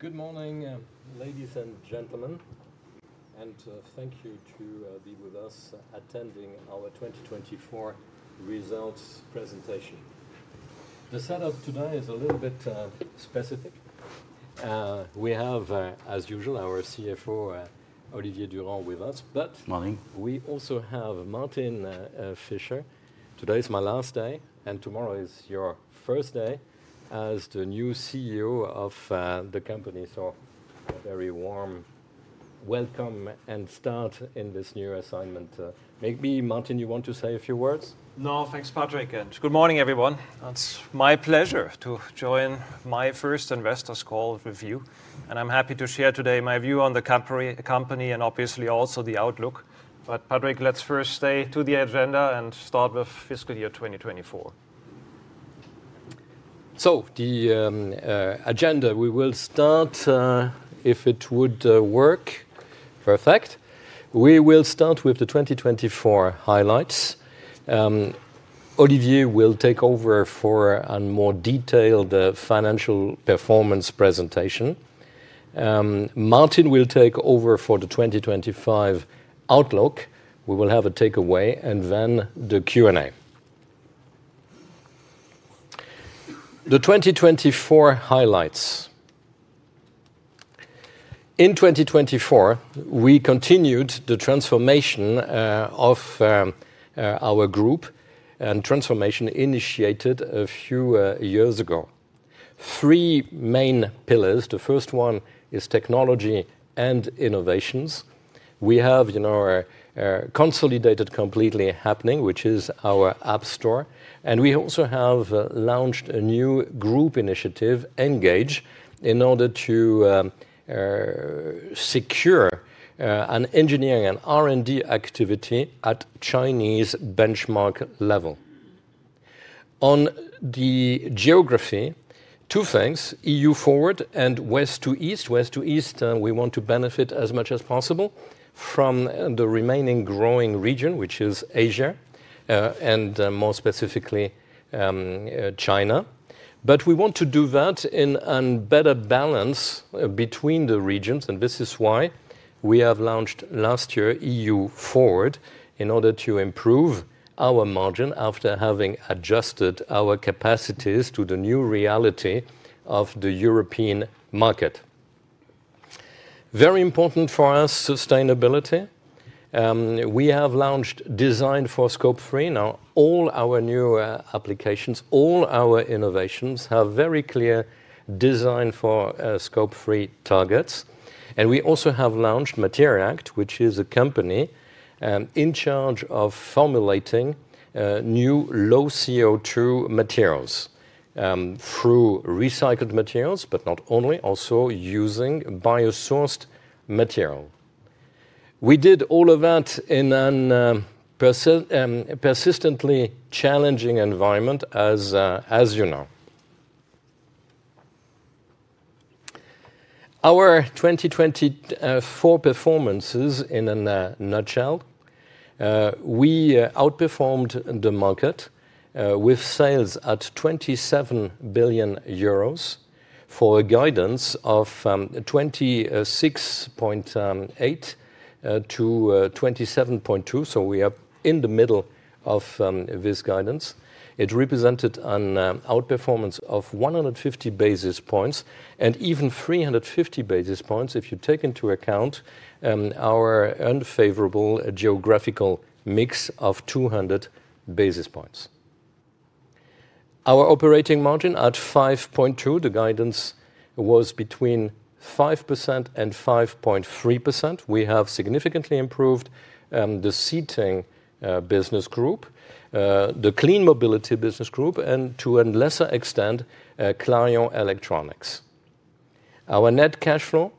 Good morning, ladies and gentlemen, and thank you to be with us attending our 2024 results presentation. The setup today is a little bit specific. We have, as usual, our CFO, Olivier Durand, with us, but. Good morning. We also have Martin Fischer. Today is my last day, and tomorrow is your first day as the new CEO of the company. So, a very warm welcome and start in this new assignment. Maybe, Martin, you want to say a few words? No, thanks, Patrick. Good morning, everyone. It's my pleasure to join my first investors call with you, and I'm happy to share today my view on the company and obviously also the outlook. But, Patrick, let's first stay to the agenda and start with fiscal year 2024. So, the agenda, we will start, if it would work. Perfect. We will start with the 2024 highlights. Olivier will take over for a more detailed financial performance presentation. Martin will take over for the 2025 outlook. We will have a takeaway and then the Q&A. The 2024 highlights. In 2024, we continued the transformation of our group and transformation initiated a few years ago. Three main pillars. The first one is technology and innovations. We have consolidated completely Appning, which is our app store. And we also have launched a new group initiative, ENGAGE, in order to secure an engineering and R&D activity at Chinese benchmark level. On the geography, two things: EU-FORWARD and West to East. West to East, we want to benefit as much as possible from the remaining growing region, which is Asia and more specifically China. But we want to do that in a better balance between the regions. And this is why we have launched last year EU-FORWARD in order to improve our margin after having adjusted our capacities to the new reality of the European market. Very important for us, sustainability. We have launched design for Scope 3. Now, all our new applications, all our innovations have very clear design for Scope 3 targets. And we also have launched MATERI'ACT, which is a company in charge of formulating new low CO2 materials through recycled materials, but not only, also using bio-sourced material. We did all of that in a persistently challenging environment, as you know. Our 2024 performances, in a nutshell, we outperformed the market with sales at 27 billion euros for a guidance of 26.8 billion-27.2 billion. So, we are in the middle of this guidance. It represented an outperformance of 150 basis points and even 350 basis points if you take into account our unfavorable geographical mix of 200 basis points. Our operating margin at 5.2%, the guidance was between 5% and 5.3%. We have significantly improved the Seating business group, the Clean Mobility business group, and to a lesser extent, Clarion Electronics. Our net cash flow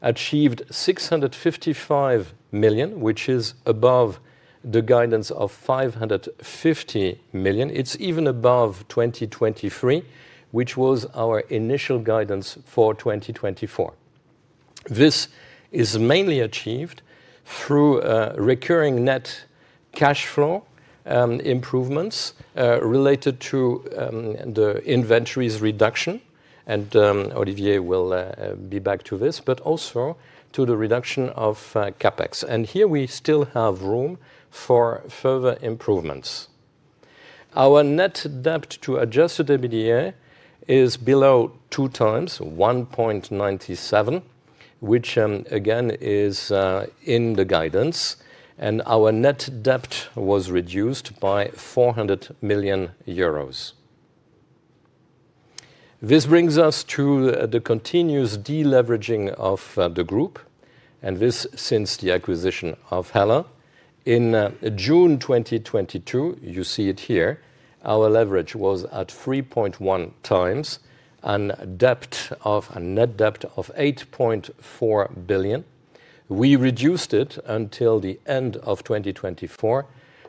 achieved 655 million, which is above the guidance of 550 million. It's even above 2023, which was our initial guidance for 2024. This is mainly achieved through recurring net cash flow improvements related to the inventories reduction. And Olivier will be back to this, but also to the reduction of CapEx. And here, we still have room for further improvements. Our net debt to adjusted EBITDA is below two times, 1.97, which again is in the guidance. And our net debt was reduced by 400 million euros. This brings us to the continuous deleveraging of the group. This since the acquisition of HELLA. In June 2022, you see it here, our leverage was at 3.1 times and a net debt of 8.4 billion. We reduced it until the end of 2024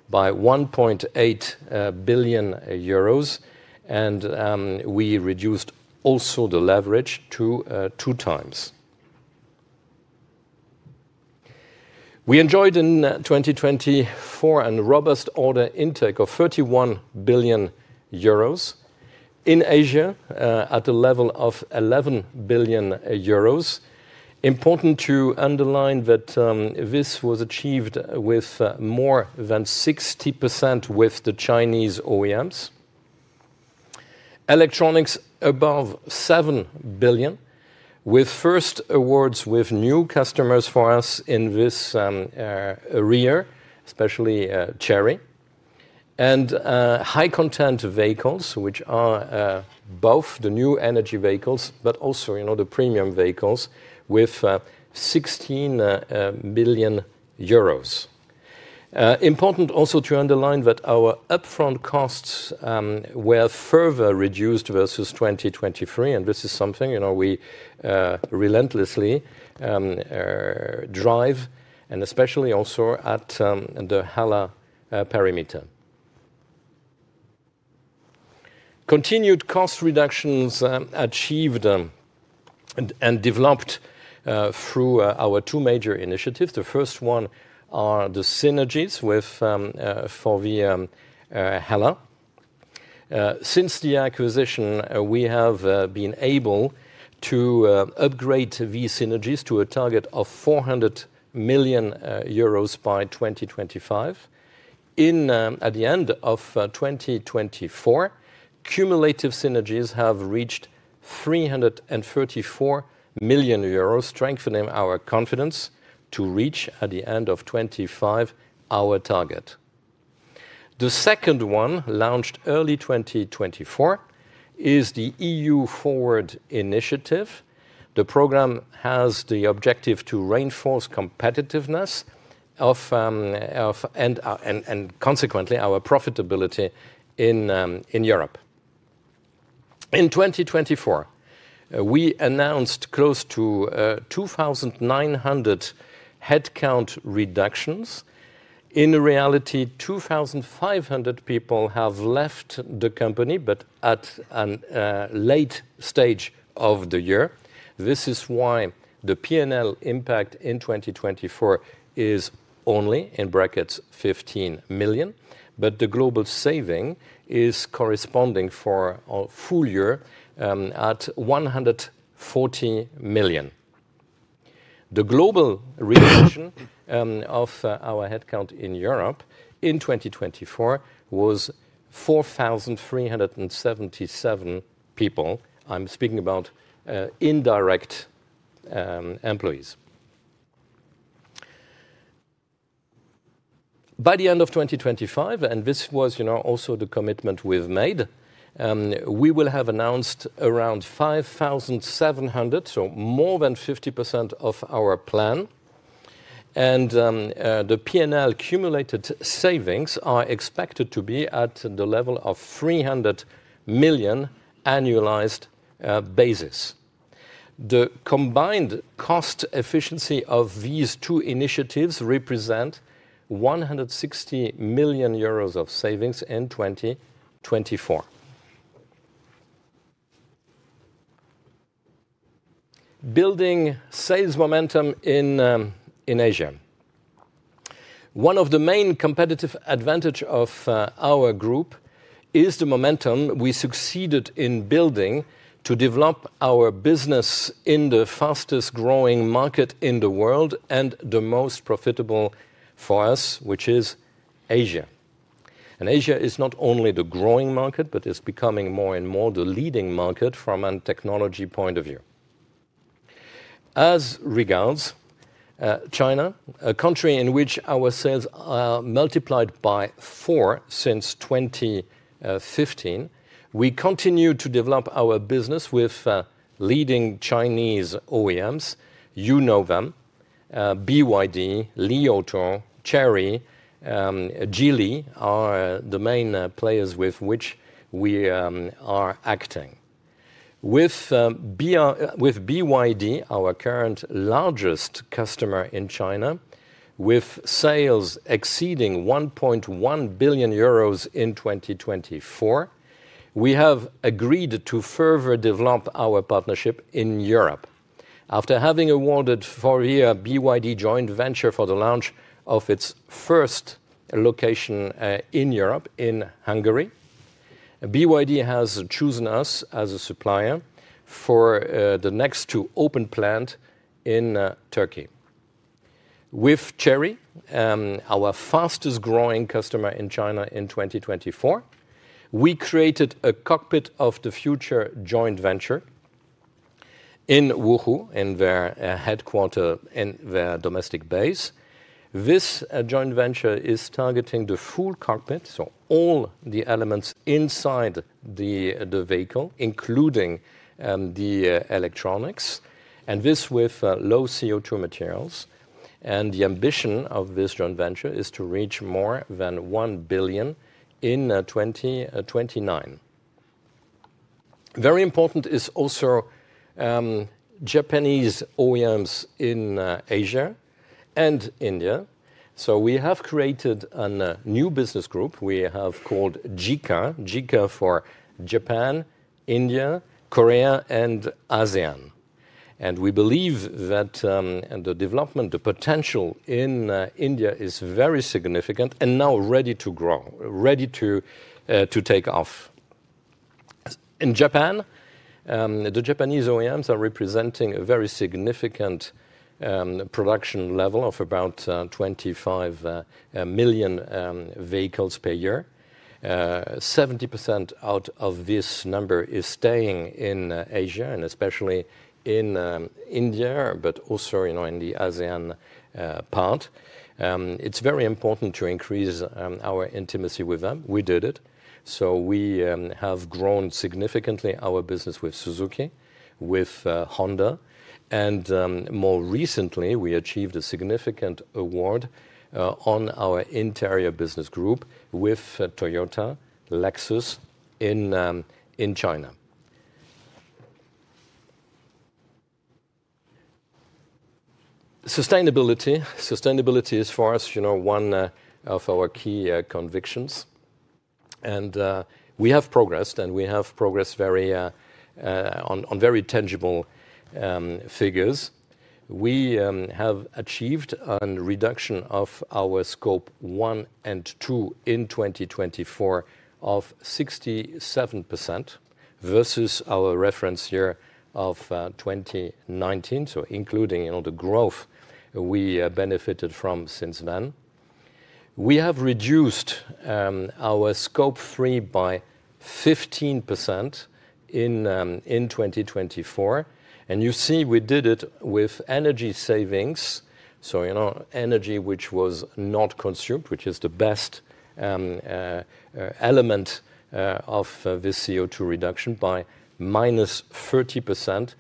by 1.8 billion euros, and we reduced also the leverage to two times. We enjoyed in 2024 a robust order intake of 31 billion euros in Asia at a level of 11 billion euros. Important to underline that this was achieved with more than 60% with the Chinese OEMs. Electronics above 7 billion, with first awards with new customers for us in this year, especially Chery. High-content vehicles, which are both the new energy vehicles, but also the premium vehicles with 16 billion euros. Important also to underline that our upfront costs were further reduced versus 2023. This is something we relentlessly drive, and especially also at the HELLA perimeter. Continued cost reductions achieved and developed through our two major initiatives. The first one are the synergies with FORVIA HELLA. Since the acquisition, we have been able to upgrade these synergies to a target of 400 million euros by 2025. At the end of 2024, cumulative synergies have reached 334 million euros, strengthening our confidence to reach, at the end of 2025, our target. The second one, launched early 2024, is the EU-FORWARD Initiative. The program has the objective to reinforce competitiveness and consequently our profitability in Europe. In 2024, we announced close to 2,900 headcount reductions. In reality, 2,500 people have left the company, but at a late stage of the year. This is why the P&L impact in 2024 is only in brackets 15 million, but the global saving is corresponding for a full year at 140 million. The global reduction of our headcount in Europe in 2024 was 4,377 people. I'm speaking about indirect employees. By the end of 2025, and this was also the commitment we've made, we will have announced around 5,700, so more than 50% of our plan, and the P&L cumulated savings are expected to be at the level of 300 million annualized basis. The combined cost efficiency of these two initiatives represents 160 million euros of savings in 2024. Building sales momentum in Asia. One of the main competitive advantages of our group is the momentum we succeeded in building to develop our business in the fastest-growing market in the world and the most profitable for us, which is Asia. Asia is not only the growing market, but it's becoming more and more the leading market from a technology point of view. As regards China, a country in which our sales are multiplied by four since 2015, we continue to develop our business with leading Chinese OEMs. You know them: BYD, Li Auto, Chery, Geely are the main players with which we are acting. With BYD, our current largest customer in China, with sales exceeding 1.1 billion euros in 2024, we have agreed to further develop our partnership in Europe. After having awarded FORVIA BYD Joint Venture for the launch of its first location in Europe in Hungary, BYD has chosen us as a supplier for the next two open plants in Turkey. With Chery, our fastest-growing customer in China in 2024, we created a Cockpit of the Future Joint Venture in Wuhu, in their headquarters, in their domestic base. This joint venture is targeting the full cockpit, so all the elements inside the vehicle, including the Electronics. And this with low CO2 materials. And the ambition of this joint venture is to reach more than 1 billion in 2029. Very important is also Japanese OEMs in Asia and India. So we have created a new business group we have called JIKA, JIKA for Japan, India, Korea, and ASEAN. And we believe that the development, the potential in India is very significant and now ready to grow, ready to take off. In Japan, the Japanese OEMs are representing a very significant production level of about 25 million vehicles per year. 70% out of this number is staying in Asia and especially in India, but also in the ASEAN part. It's very important to increase our intimacy with them. We did it. So we have grown significantly our business with Suzuki, with Honda. And more recently, we achieved a significant award on our Interior business group with Toyota, Lexus in China. Sustainability. Sustainability is for us one of our key convictions. And we have progressed, and we have progressed on very tangible figures. We have achieved a reduction of our Scope 1 and 2 in 2024 of 67% versus our reference year of 2019, so including the growth we benefited from since then. We have reduced our Scope 3 by 15% in 2024. And you see we did it with energy savings, so energy which was not consumed, which is the best element of this CO2 reduction by -30%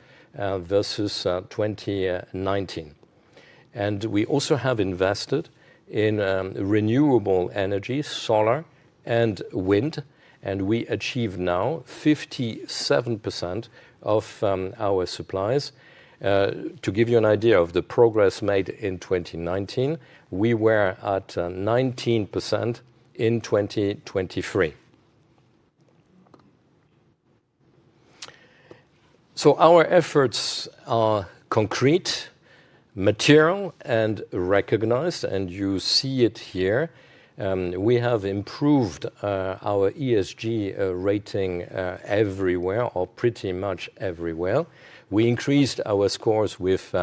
versus 2019. And we also have invested in renewable energy, solar and wind. And we achieve now 57% of our supplies. To give you an idea of the progress made in 2019, we were at 19% in 2023. So our efforts are concrete, material, and recognized, and you see it here. We have improved our ESG rating everywhere, or pretty much everywhere. We increased our scores with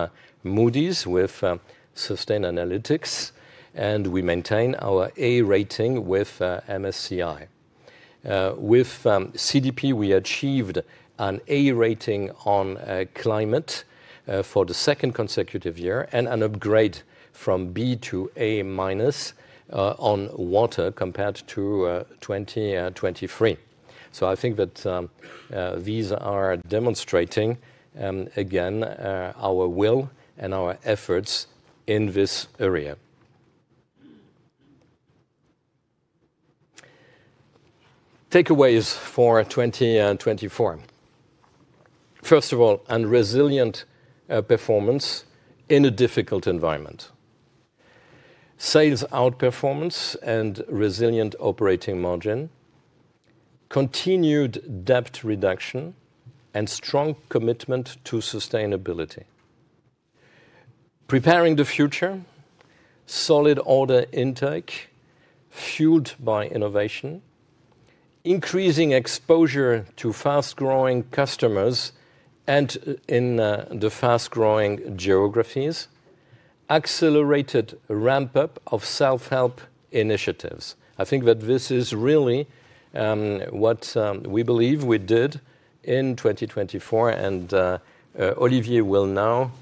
Moody's, with Sustainalytics, and we maintain our A rating with MSCI. With CDP, we achieved an A rating on climate for the second consecutive year and an upgrade from B to A- on water compared to 2023. So I think that these are demonstrating again our will and our efforts in this area. Takeaways for 2024. First of all, a resilient performance in a difficult environment. Sales outperformance and resilient operating margin. Continued debt reduction and strong commitment to sustainability. Preparing the future. Solid order intake fueled by innovation. Increasing exposure to fast-growing customers and in the fast-growing geographies. Accelerated ramp-up of self-help initiatives. I think that this is really what we believe we did in 2024, and Olivier will now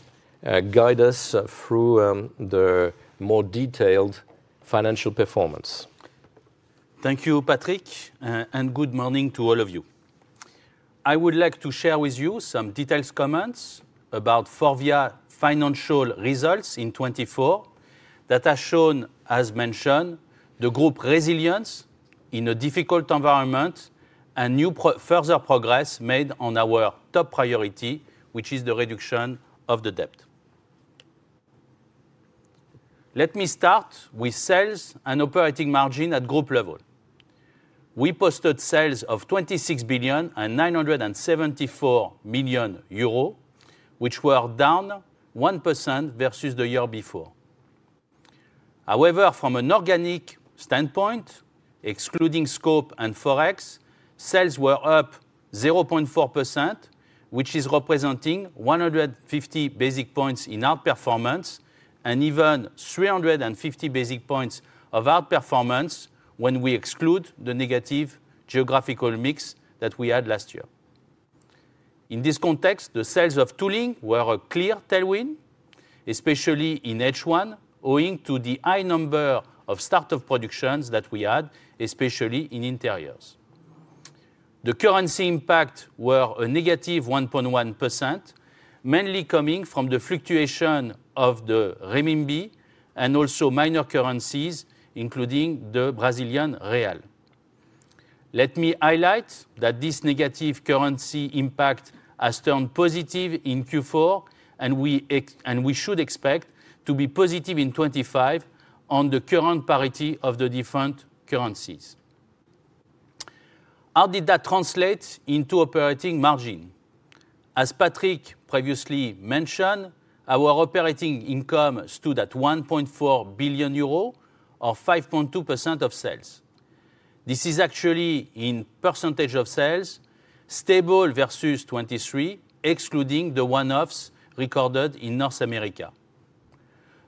guide us through the more detailed financial performance. Thank you, Patrick, and good morning to all of you. I would like to share with you some detailed comments about FORVIA's financial results in 2024 that have shown, as mentioned, the group's resilience in a difficult environment and new further progress made on our top priority, which is the reduction of the debt. Let me start with sales and operating margin at group level. We posted sales of 26 billion and 974 million euros, which were down 1% versus the year before. However, from an organic standpoint, excluding scope and forex, sales were up 0.4%, which is representing 150 basis points in outperformance and even 350 basis points of outperformance when we exclude the negative geographical mix that we had last year. In this context, the sales of tooling were a clear tailwind, especially in H1, owing to the high number of startup productions that we had, especially in Interiors. The currency impact was a -1.1%, mainly coming from the fluctuation of the renminbi and also minor currencies, including the Brazilian real. Let me highlight that this negative currency impact has turned positive in Q4, and we should expect to be positive in 2025 on the current parity of the different currencies. How did that translate into operating margin? As Patrick previously mentioned, our operating income stood at 1.4 billion euro, or 5.2% of sales. This is actually in percentage of sales, stable versus 2023, excluding the one-offs recorded in North America.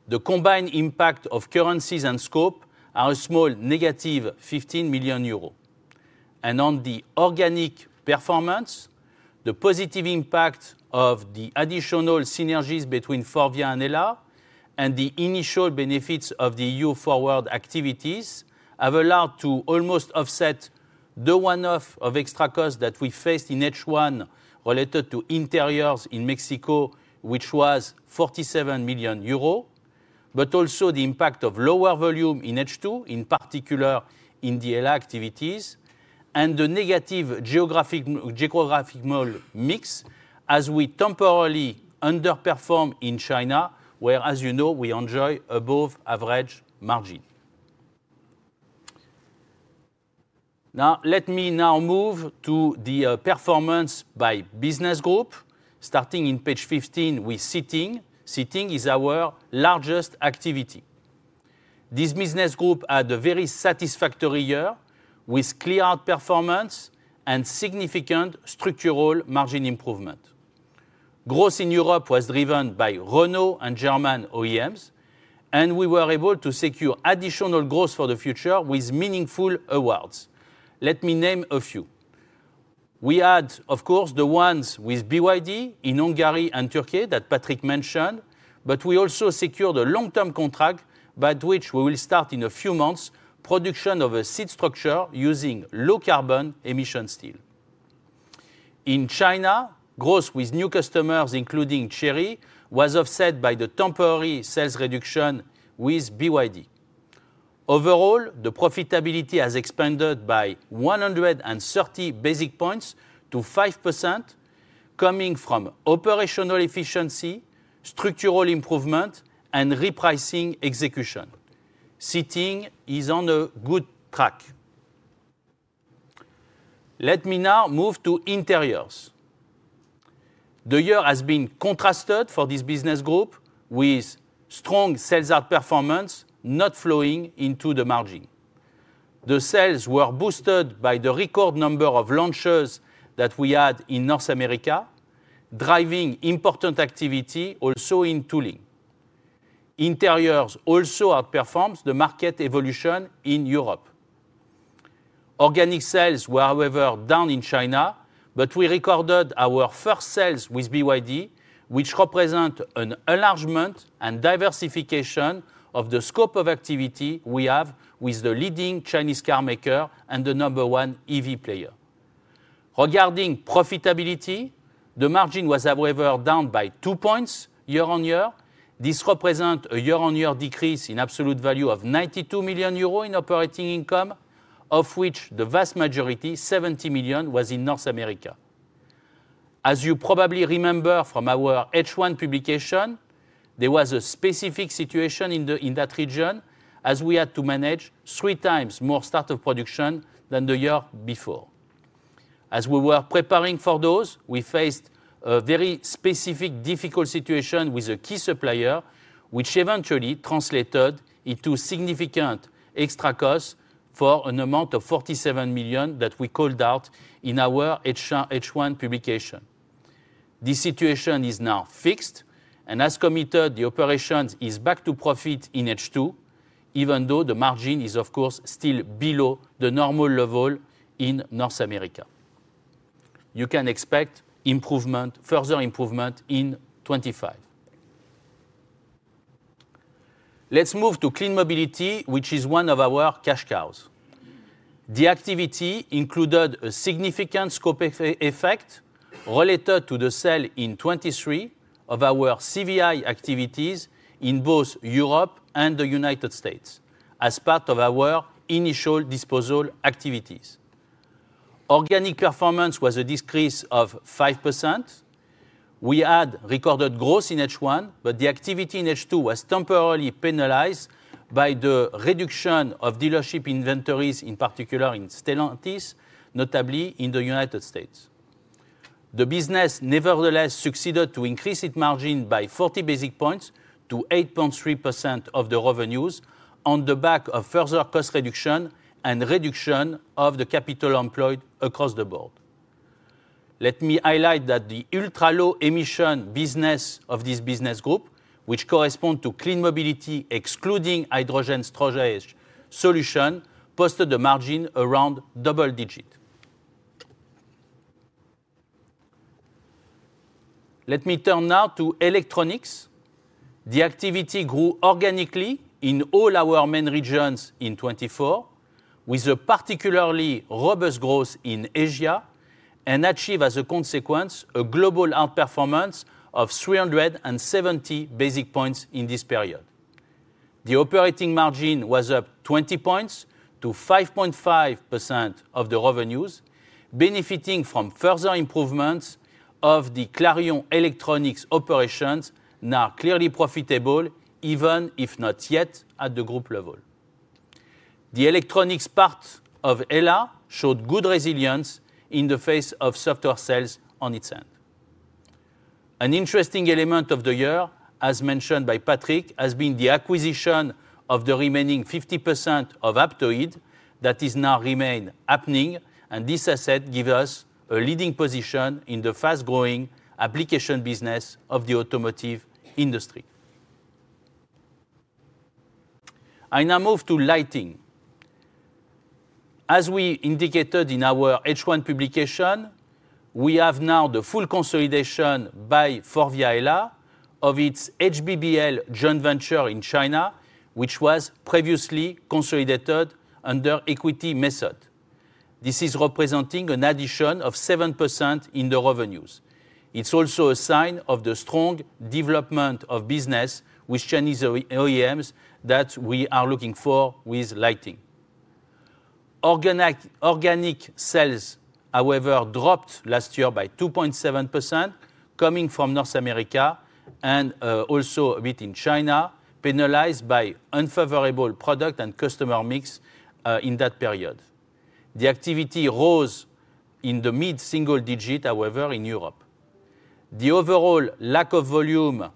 The combined impact of currencies and scope is a small negative 15 million euros, and on the organic performance, the positive impact of the additional synergies between FORVIA and HELLA and the initial benefits of the EU-FORWARD activities have allowed to almost offset the one-off of extra costs that we faced in H1 related to Interiors in Mexico, which was 47 million euros, but also the impact of lower volume in H2, in particular in the HELLA activities, and the negative geographical mix as we temporarily underperformed in China, where, as you know, we enjoy above-average margin. Now, let me now move to the performance by business group. Starting on page 15, we see Seating. Seating is our largest activity. This business group had a very satisfactory year with clear outperformance and significant structural margin improvement. Growth in Europe was driven by Renault and German OEMs, and we were able to secure additional growth for the future with meaningful awards. Let me name a few. We had, of course, the ones with BYD in Hungary and Turkey that Patrick mentioned, but we also secured a long-term contract by which we will start in a few months production of a seat structure using low-carbon emission steel. In China, growth with new customers, including Chery, was offset by the temporary sales reduction with BYD. Overall, the profitability has expanded by 130 basis points to 5%, coming from operational efficiency, structural improvement, and repricing execution. Seating is on a good track. Let me now move to Interiors. The year has been contrasted for this business group with strong sales outperformance not flowing into the margin. The sales were boosted by the record number of launches that we had in North America, driving important activity also in tooling. Interiors also outperformed the market evolution in Europe. Organic sales were, however, down in China, but we recorded our first sales with BYD, which represents an enlargement and diversification of the scope of activity we have with the leading Chinese car maker and the number one EV player. Regarding profitability, the margin was, however, down by two points year-on-year. This represents a year-on-year decrease in absolute value of 92 million euro in operating income, of which the vast majority, 70 million, was in North America. As you probably remember from our H1 publication, there was a specific situation in that region as we had to manage three times more start-of-production than the year before. As we were preparing for those, we faced a very specific difficult situation with a key supplier, which eventually translated into significant extra costs for an amount of 47 million that we called out in our H1 publication. This situation is now fixed, and as committed, the operation is back to profit in H2, even though the margin is, of course, still below the normal level in North America. You can expect further improvement in 2025. Let's move to Clean Mobility, which is one of our cash cows. The activity included a significant scope effect related to the sale in 2023 of our CVI activities in both Europe and the United States as part of our initial disposal activities. Organic performance was a decrease of 5%. We had recorded growth in H1, but the activity in H2 was temporarily penalized by the reduction of dealership inventories, in particular in Stellantis, notably in the United States. The business nevertheless succeeded to increase its margin by 40 basis points to 8.3% of the revenues on the back of further cost reduction and reduction of the capital employed across the board. Let me highlight that the ultra-low emission business of this business group, which corresponds to Clean Mobility excluding hydrogen storage solution, posted a margin around double-digit. Let me turn now to Electronics. The activity grew organically in all our main regions in 2024, with a particularly robust growth in Asia and achieved, as a consequence, a global outperformance of 370 basis points in this period. The operating margin was up 20 points to 5.5% of the revenues, benefiting from further improvements of the Clarion Electronics operations now clearly profitable, even if not yet at the group level. The Electronics part of HELLA showed good resilience in the face of software sales on its end. An interesting element of the year, as mentioned by Patrick, has been the acquisition of the remaining 50% of Aptoide that is now renamed Appning, and this asset gives us a leading position in the fast-growing application business of the automotive industry. I now move to Lighting. As we indicated in our H1 publication, we have now the full consolidation by FORVIA HELLA of its HBBL Joint Venture in China, which was previously consolidated under equity method. This is representing an addition of 7% in the revenues. It's also a sign of the strong development of business with Chinese OEMs that we are looking for with Lighting. Organic sales, however, dropped last year by 2.7%, coming from North America and also a bit in China, penalized by unfavorable product and customer mix in that period. The activity rose in the mid-single digit, however, in Europe. The overall lack of volume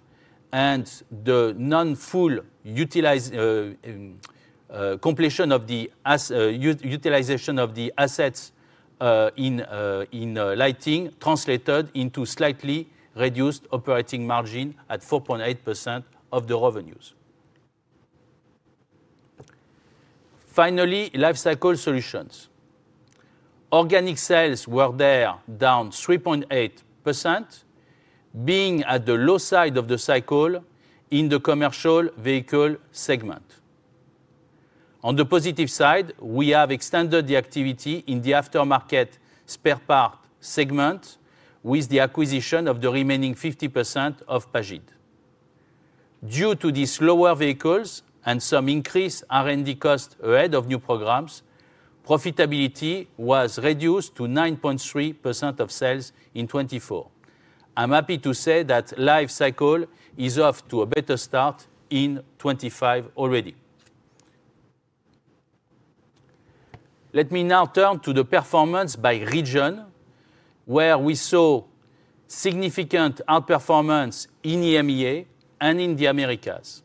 and the non-full completion of the utilization of the assets in Lighting translated into slightly reduced operating margin at 4.8% of the revenues. Finally, Lifecycle Solutions. Organic sales were down 3.8%, being at the low side of the cycle in the commercial vehicle segment. On the positive side, we have extended the activity in the aftermarket spare part segment with the acquisition of the remaining 50% of Hella Pagid. Due to these lower vehicles and some increased R&D costs ahead of new programs, profitability was reduced to 9.3% of sales in 2024. I'm happy to say that Lifecycle is off to a better start in 2025 already. Let me now turn to the performance by region, where we saw significant outperformance in EMEA and in the Americas.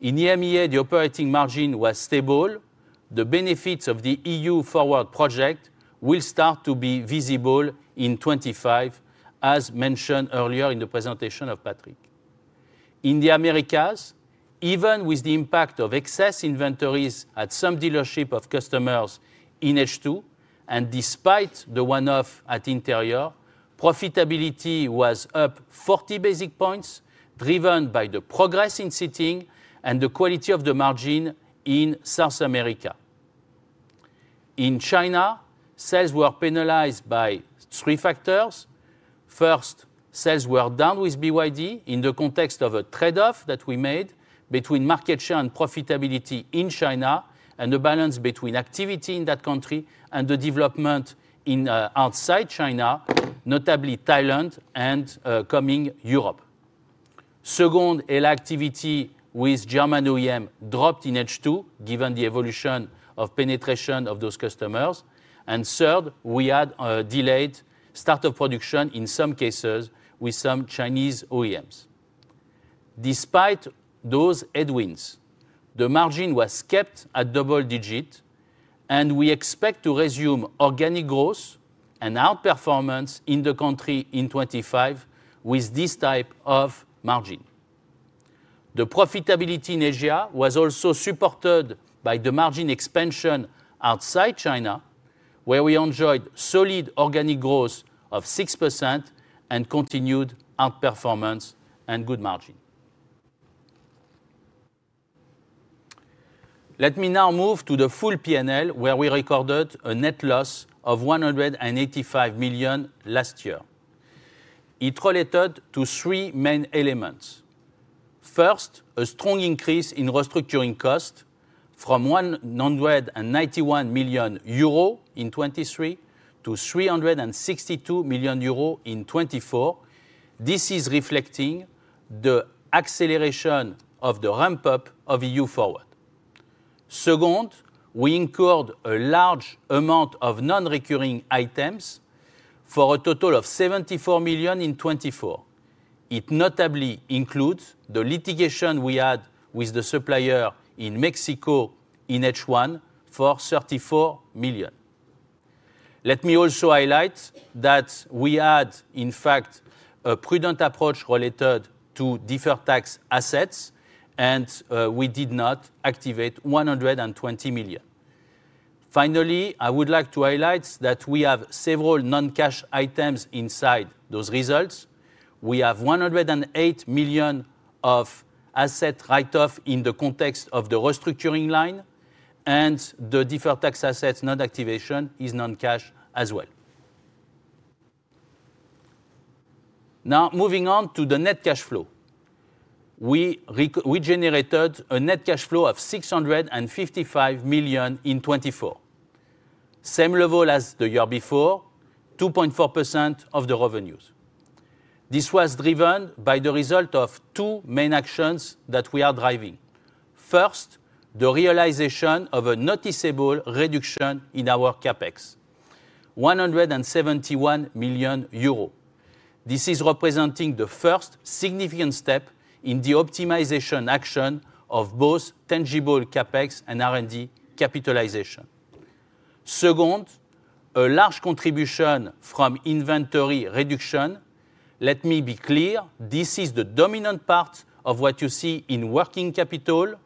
In EMEA, the operating margin was stable. The benefits of the EU-FORWARD project will start to be visible in 2025, as mentioned earlier in the presentation of Patrick. In the Americas, even with the impact of excess inventories at some dealership of customers in H2, and despite the one-off at Interior, profitability was up 40 basis points, driven by the progress in Seating and the quality of the margin in South America. In China, sales were penalized by three factors. First, sales were down with BYD in the context of a trade-off that we made between market share and profitability in China and the balance between activity in that country and the development outside China, notably Thailand and coming Europe. Second, HELLA activity with German OEM dropped in H2, given the evolution of penetration of those customers. And third, we had delayed start-of-production in some cases with some Chinese OEMs. Despite those headwinds, the margin was kept at double-digit, and we expect to resume organic growth and outperformance in the country in 2025 with this type of margin. The profitability in Asia was also supported by the margin expansion outside China, where we enjoyed solid organic growth of 6% and continued outperformance and good margin. Let me now move to the full P&L, where we recorded a net loss of 185 million last year. It related to three main elements. First, a strong increase in restructuring costs from 191 million euro in 2023 to 362 million euro in 2024. This is reflecting the acceleration of the ramp-up of EU-FORWARD. Second, we incurred a large amount of non-recurring items for a total of 74 million in 2024. It notably includes the litigation we had with the supplier in Mexico in H1 for 34 million. Let me also highlight that we had, in fact, a prudent approach related to deferred tax assets, and we did not activate 120 million. Finally, I would like to highlight that we have several non-cash items inside those results. We have 108 million of asset write-off in the context of the restructuring line, and the deferred tax asset non-activation is non-cash as well. Now, moving on to the net cash flow. We generated a net cash flow of EUR 655 million in 2024, same level as the year before, 2.4% of the revenues. This was driven by the result of two main actions that we are driving. First, the realization of a noticeable reduction in our CapEx, 171 million euros. This is representing the first significant step in the optimization action of both tangible CapEx and R&D capitalization. Second, a large contribution from inventory reduction. Let me be clear, this is the dominant part of what you see in working capital,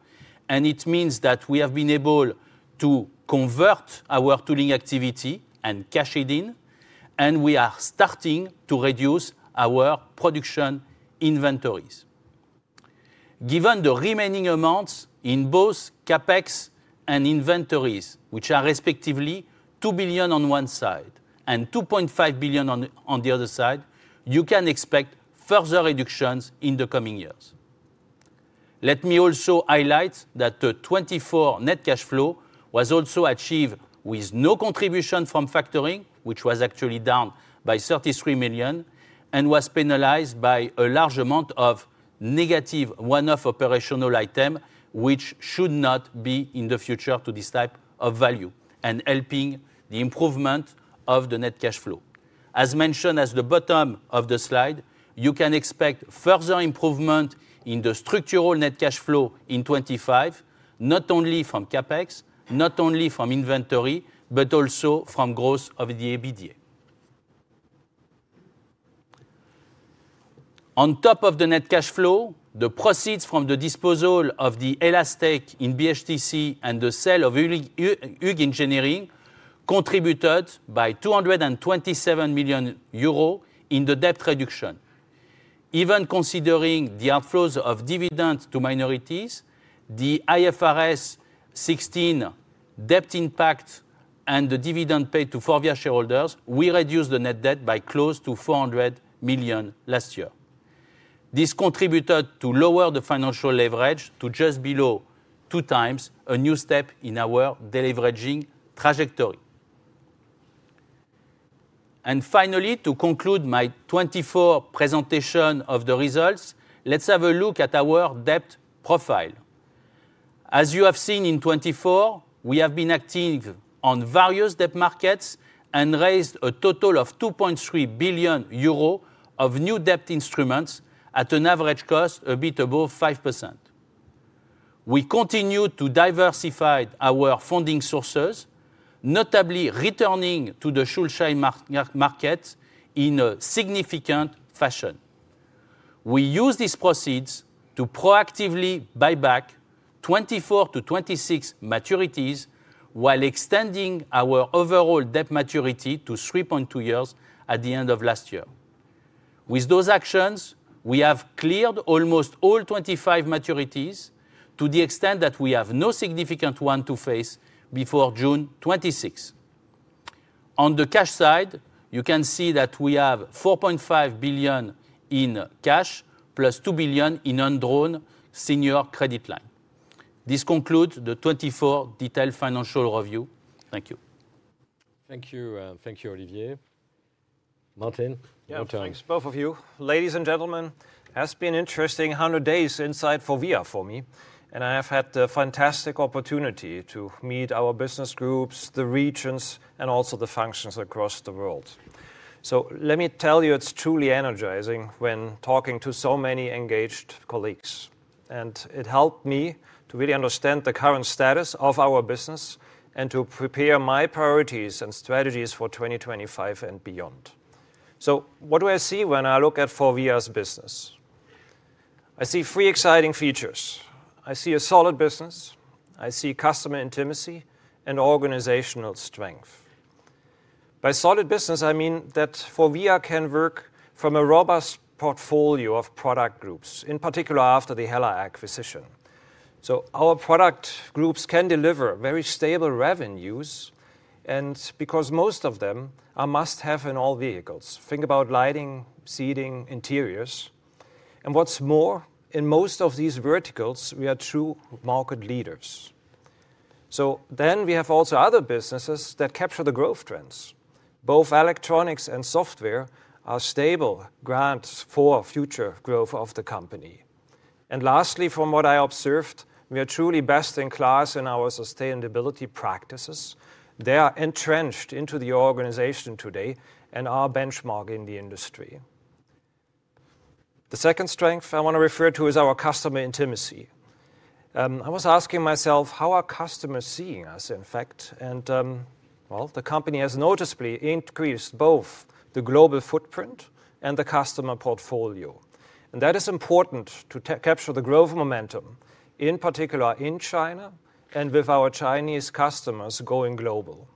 and it means that we have been able to convert our tooling activity and cash it in, and we are starting to reduce our production inventories. Given the remaining amounts in both CapEx and inventories, which are respectively 2 billion on one side and 2.5 billion on the other side, you can expect further reductions in the coming years. Let me also highlight that the 2024 net cash flow was also achieved with no contribution from factoring, which was actually down by 33 million and was penalized by a large amount of negative one-off operational item, which should not be in the future to this type of value and helping the improvement of the net cash flow. As mentioned at the bottom of the slide, you can expect further improvement in the structural net cash flow in 2025, not only from CapEx, not only from inventory, but also from growth of the EBITDA. On top of the net cash flow, the proceeds from the disposal of the HELLA stake in BHTC and the sale of Hug Engineering contributed by 227 million euros in the debt reduction. Even considering the outflows of dividends to minorities, the IFRS 16 debt impact, and the dividend paid to FORVIA shareholders, we reduced the net debt by close to 400 million last year. This contributed to lower the financial leverage to just below two times a new step in our deleveraging trajectory. And finally, to conclude my 2024 presentation of the results, let's have a look at our debt profile. As you have seen in 2024, we have been active on various debt markets and raised a total of 2.3 billion euro of new debt instruments at an average cost a bit above 5%. We continued to diversify our funding sources, notably returning to the Schuldschein market in a significant fashion. We used these proceeds to proactively buy back 24-26 maturities while extending our overall debt maturity to 3.2 years at the end of last year. With those actions, we have cleared almost all 25 maturities to the extent that we have no significant one to face before June 2026. On the cash side, you can see that we have 4.5 billion in cash plus 2 billion in non-drawn senior credit line. This concludes the 2024 detailed financial review. Thank you. Thank you, Olivier. Martin, your turn. Thanks, both of you. Ladies and gentlemen, it has been an interesting 100 days inside FORVIA for me, and I have had the fantastic opportunity to meet our business groups, the regions, and also the functions across the world. So let me tell you, it's truly energizing when talking to so many engaged colleagues, and it helped me to really understand the current status of our business and to prepare my priorities and strategies for 2025 and beyond. So what do I see when I look at FORVIA's business? I see three exciting features. I see a solid business. I see customer intimacy and organizational strength. By solid business, I mean that FORVIA can work from a robust portfolio of product groups, in particular after the HELLA acquisition. So our product groups can deliver very stable revenues, and because most of them are must-haves in all vehicles. Think about Lighting, Seating, Interiors. And what's more, in most of these verticals, we are true market leaders. So then we have also other businesses that capture the growth trends. Both Electronics and software are stable grants for future growth of the company. And lastly, from what I observed, we are truly best in class in our sustainability practices. They are entrenched into the organization today and are benchmarking the industry. The second strength I want to refer to is our customer intimacy. I was asking myself, how are customers seeing us, in fact? Well, the company has noticeably increased both the global footprint and the customer portfolio. That is important to capture the growth momentum, in particular in China and with our Chinese customers going global.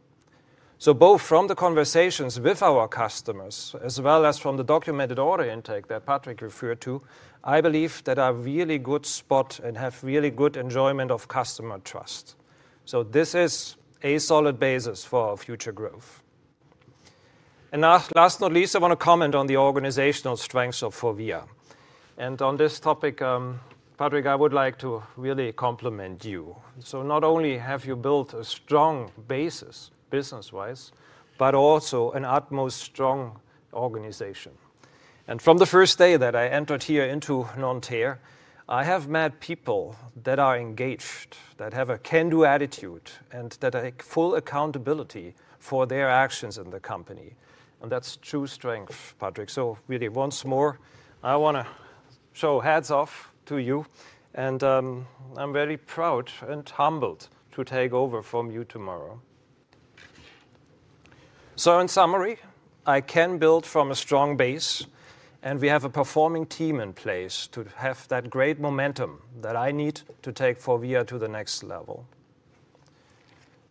Both from the conversations with our customers, as well as from the documented order intake that Patrick referred to, I believe that I have a really good spot and have really good enjoyment of customer trust. This is a solid basis for future growth. Last but not least, I want to comment on the organizational strengths of FORVIA. On this topic, Patrick, I would like to really compliment you. Not only have you built a strong basis business-wise, but also an utmost strong organization. From the first day that I entered here into Nanterre, I have met people that are engaged, that have a can-do attitude, and that take full accountability for their actions in the company. That's true strength, Patrick. Really, once more, I want to show hats off to you. I'm very proud and humbled to take over from you tomorrow. In summary, I can build from a strong base, and we have a performing team in place to have that great momentum that I need to take FORVIA to the next level.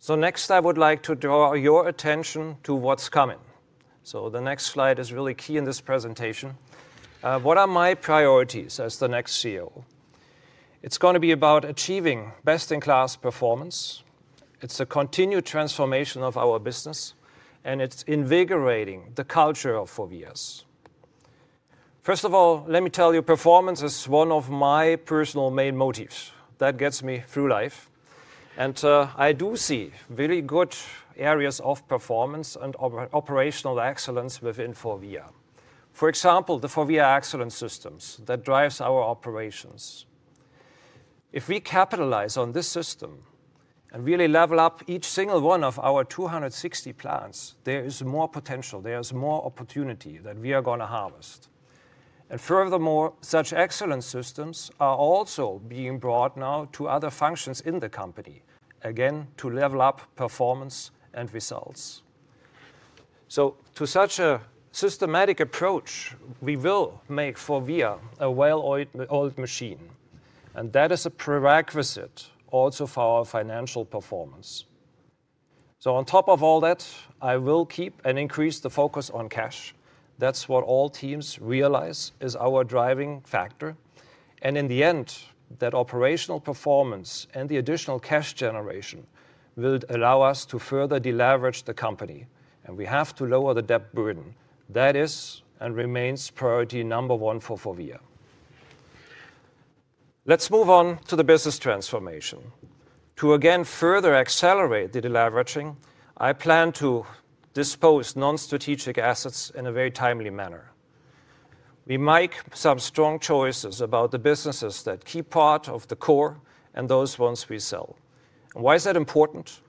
Next, I would like to draw your attention to what's coming. The next slide is really key in this presentation. What are my priorities as the next CEO? It's going to be about achieving best-in-class performance. It's a continued transformation of our business, and it's invigorating the culture of FORVIA's. First of all, let me tell you, performance is one of my personal main motives that gets me through life, and I do see very good areas of performance and operational excellence within FORVIA. For example, the FORVIA Excellence System that drive our operations. If we capitalize on this system and really level up each single one of our 260 plants, there is more potential. There is more opportunity that we are going to harvest, and furthermore, such excellence systems are also being brought now to other functions in the company, again, to level up performance and results, so to such a systematic approach, we will make FORVIA a well-oiled machine, and that is a prerequisite also for our financial performance, so on top of all that, I will keep and increase the focus on cash. That's what all teams realize is our driving factor. In the end, that operational performance and the additional cash generation will allow us to further deleverage the company. We have to lower the debt burden. That is and remains priority number one for FORVIA. Let's move on to the business transformation. To again further accelerate the deleveraging, I plan to dispose of non-strategic assets in a very timely manner. We make some strong choices about the businesses that keep part of the core and those ones we sell. Why is that important?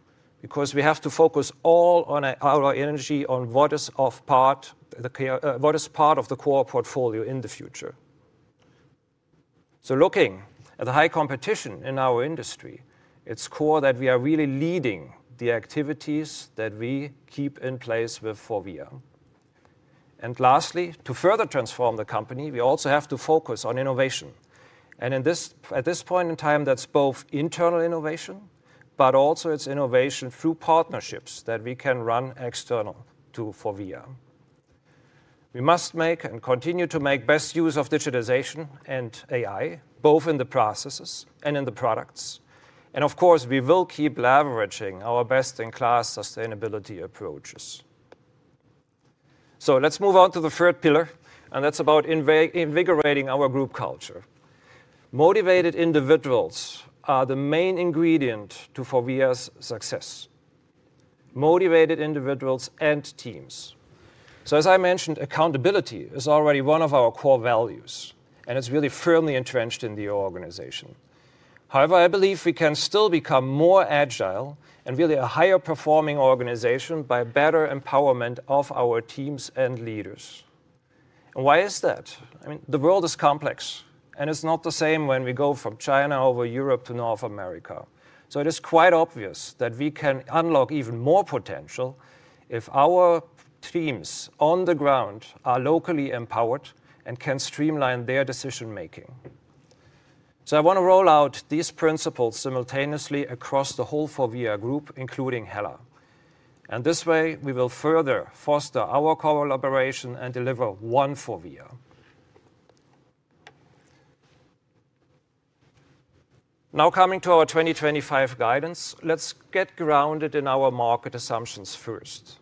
Because we have to focus all our energy on what is part of the core portfolio in the future. Looking at the high competition in our industry, it's core that we are really leading the activities that we keep in place with FORVIA. Lastly, to further transform the company, we also have to focus on innovation. At this point in time, that's both internal innovation, but also it's innovation through partnerships that we can run external to FORVIA. We must make and continue to make best use of digitization and AI, both in the processes and in the products. Of course, we will keep leveraging our best-in-class sustainability approaches. Let's move on to the third pillar, and that's about invigorating our group culture. Motivated individuals are the main ingredient to FORVIA's success. Motivated individuals and teams. As I mentioned, accountability is already one of our core values, and it's really firmly entrenched in the organization. However, I believe we can still become more agile and really a higher-performing organization by better empowerment of our teams and leaders. Why is that? I mean, the world is complex, and it's not the same when we go from China over Europe to North America. It is quite obvious that we can unlock even more potential if our teams on the ground are locally empowered and can streamline their decision-making. I want to roll out these principles simultaneously across the whole FORVIA group, including HELLA. This way, we will further foster our collaboration and deliver one FORVIA. Now coming to our 2025 guidance, let's get grounded in our market assumptions first.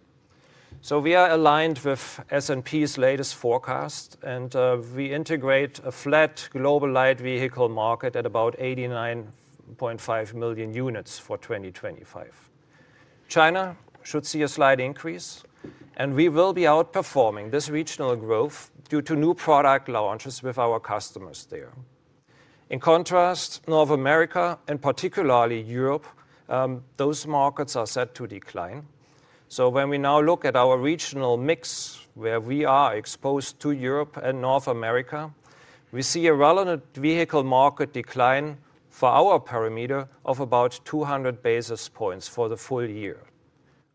We are aligned with S&P's latest forecast, and we integrate a flat global light vehicle market at about 89.5 million units for 2025. China should see a slight increase, and we will be outperforming this regional growth due to new product launches with our customers there. In contrast, North America and particularly Europe, those markets are set to decline. So when we now look at our regional mix, where we are exposed to Europe and North America, we see a relative vehicle market decline for our perimeter of about 200 basis points for the full year.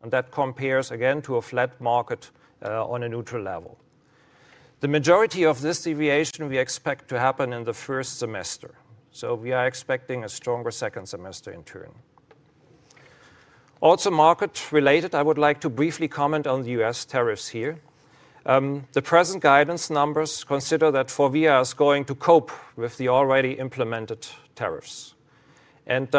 And that compares, again, to a flat market on a neutral level. The majority of this deviation we expect to happen in the first semester. So we are expecting a stronger second semester in turn. Also market-related, I would like to briefly comment on the U.S. tariffs here. The present guidance numbers consider that FORVIA is going to cope with the already implemented tariffs. And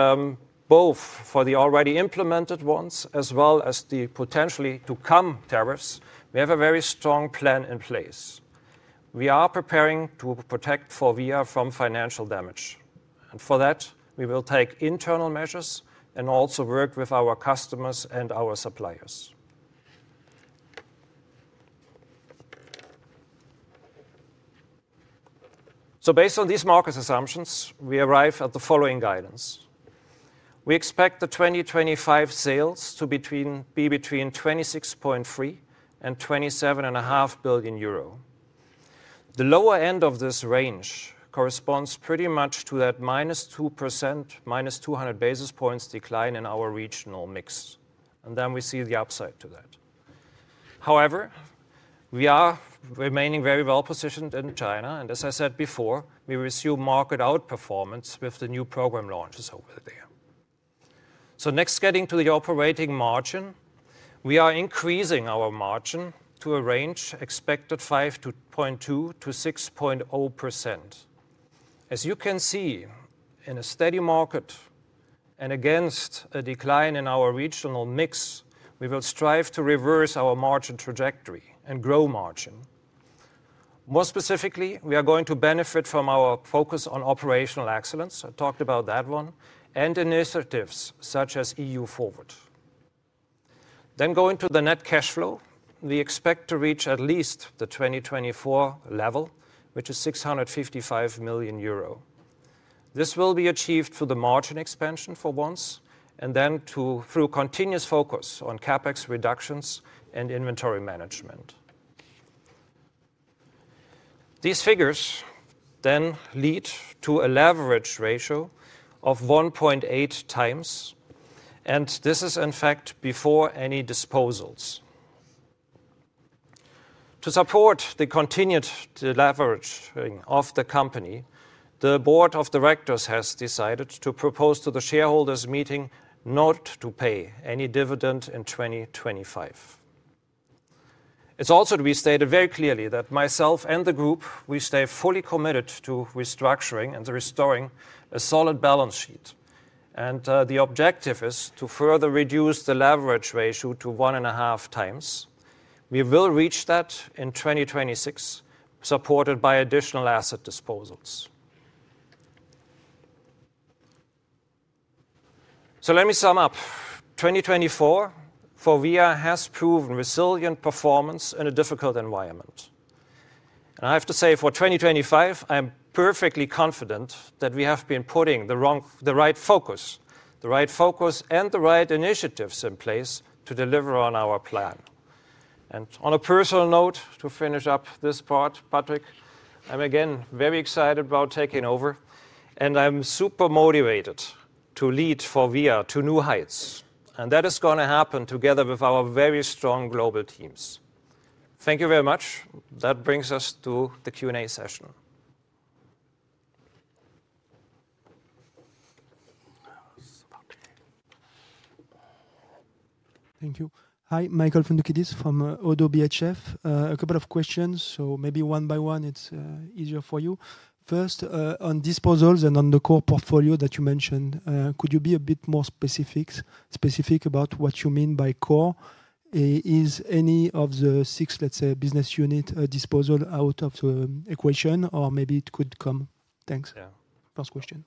both for the already implemented ones as well as the potentially to come tariffs, we have a very strong plan in place. We are preparing to protect FORVIA from financial damage. And for that, we will take internal measures and also work with our customers and our suppliers. Based on these market assumptions, we arrive at the following guidance. We expect the 2025 sales to be between 26.3 billion euro and 27.5 billion euro. The lower end of this range corresponds pretty much to that -2%, minus 200 basis points decline in our regional mix. Then we see the upside to that. However, we are remaining very well-positioned in China. And as I said before, we will see market outperformance with the new program launches over there. Next, getting to the operating margin, we are increasing our margin to a range expected 5.2%-6.0%. As you can see, in a steady market and against a decline in our regional mix, we will strive to reverse our margin trajectory and grow margin. More specifically, we are going to benefit from our focus on operational excellence. I talked about that one and initiatives such as EU-FORWARD. Then going to the net cash flow, we expect to reach at least the 2024 level, which is 655 million euro. This will be achieved through the margin expansion for once and then through continuous focus on CapEx reductions and inventory management. These figures then lead to a leverage ratio of 1.8 times, and this is in fact before any disposals. To support the continued leveraging of the company, the board of directors has decided to propose to the shareholders' meeting not to pay any dividend in 2025. It's also to be stated very clearly that myself and the group, we stay fully committed to restructuring and restoring a solid balance sheet. And the objective is to further reduce the leverage ratio to one and a half times. We will reach that in 2026, supported by additional asset disposals. So let me sum up. 2024, FORVIA has proven resilient performance in a difficult environment, and I have to say for 2025, I am perfectly confident that we have been putting the right focus, the right focus, and the right initiatives in place to deliver on our plan, and on a personal note, to finish up this part, Patrick, I'm again very excited about taking over, and I'm super motivated to lead FORVIA to new heights, and that is going to happen together with our very strong global teams. Thank you very much. That brings us to the Q&A session. Thank you. Hi, Michael Foundoukidis from ODDO BHF. A couple of questions, so maybe one by one, it's easier for you. First, on disposals and on the core portfolio that you mentioned, could you be a bit more specific about what you mean by core? Is any of the six, let's say, business unit disposal out of the equation, or maybe it could come? Thanks. First question.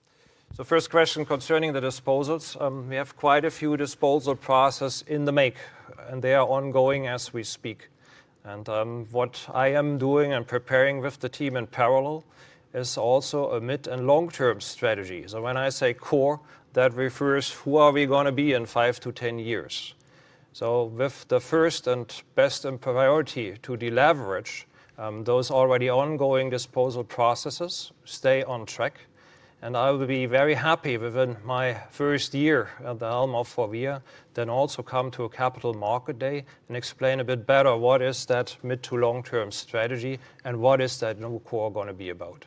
So first question concerning the disposals. We have quite a few disposal processes in the making, and they are ongoing as we speak. And what I am doing and preparing with the team in parallel is also a mid- and long-term strategy. So when I say core, that refers to who are we going to be in 5-10 years. So with the first and best in priority to deleverage, those already ongoing disposal processes stay on track. And I will be very happy within my first year at the helm of FORVIA, then also come to a Capital Market Day and explain a bit better what is that mid- to long-term strategy and what is that new core going to be about.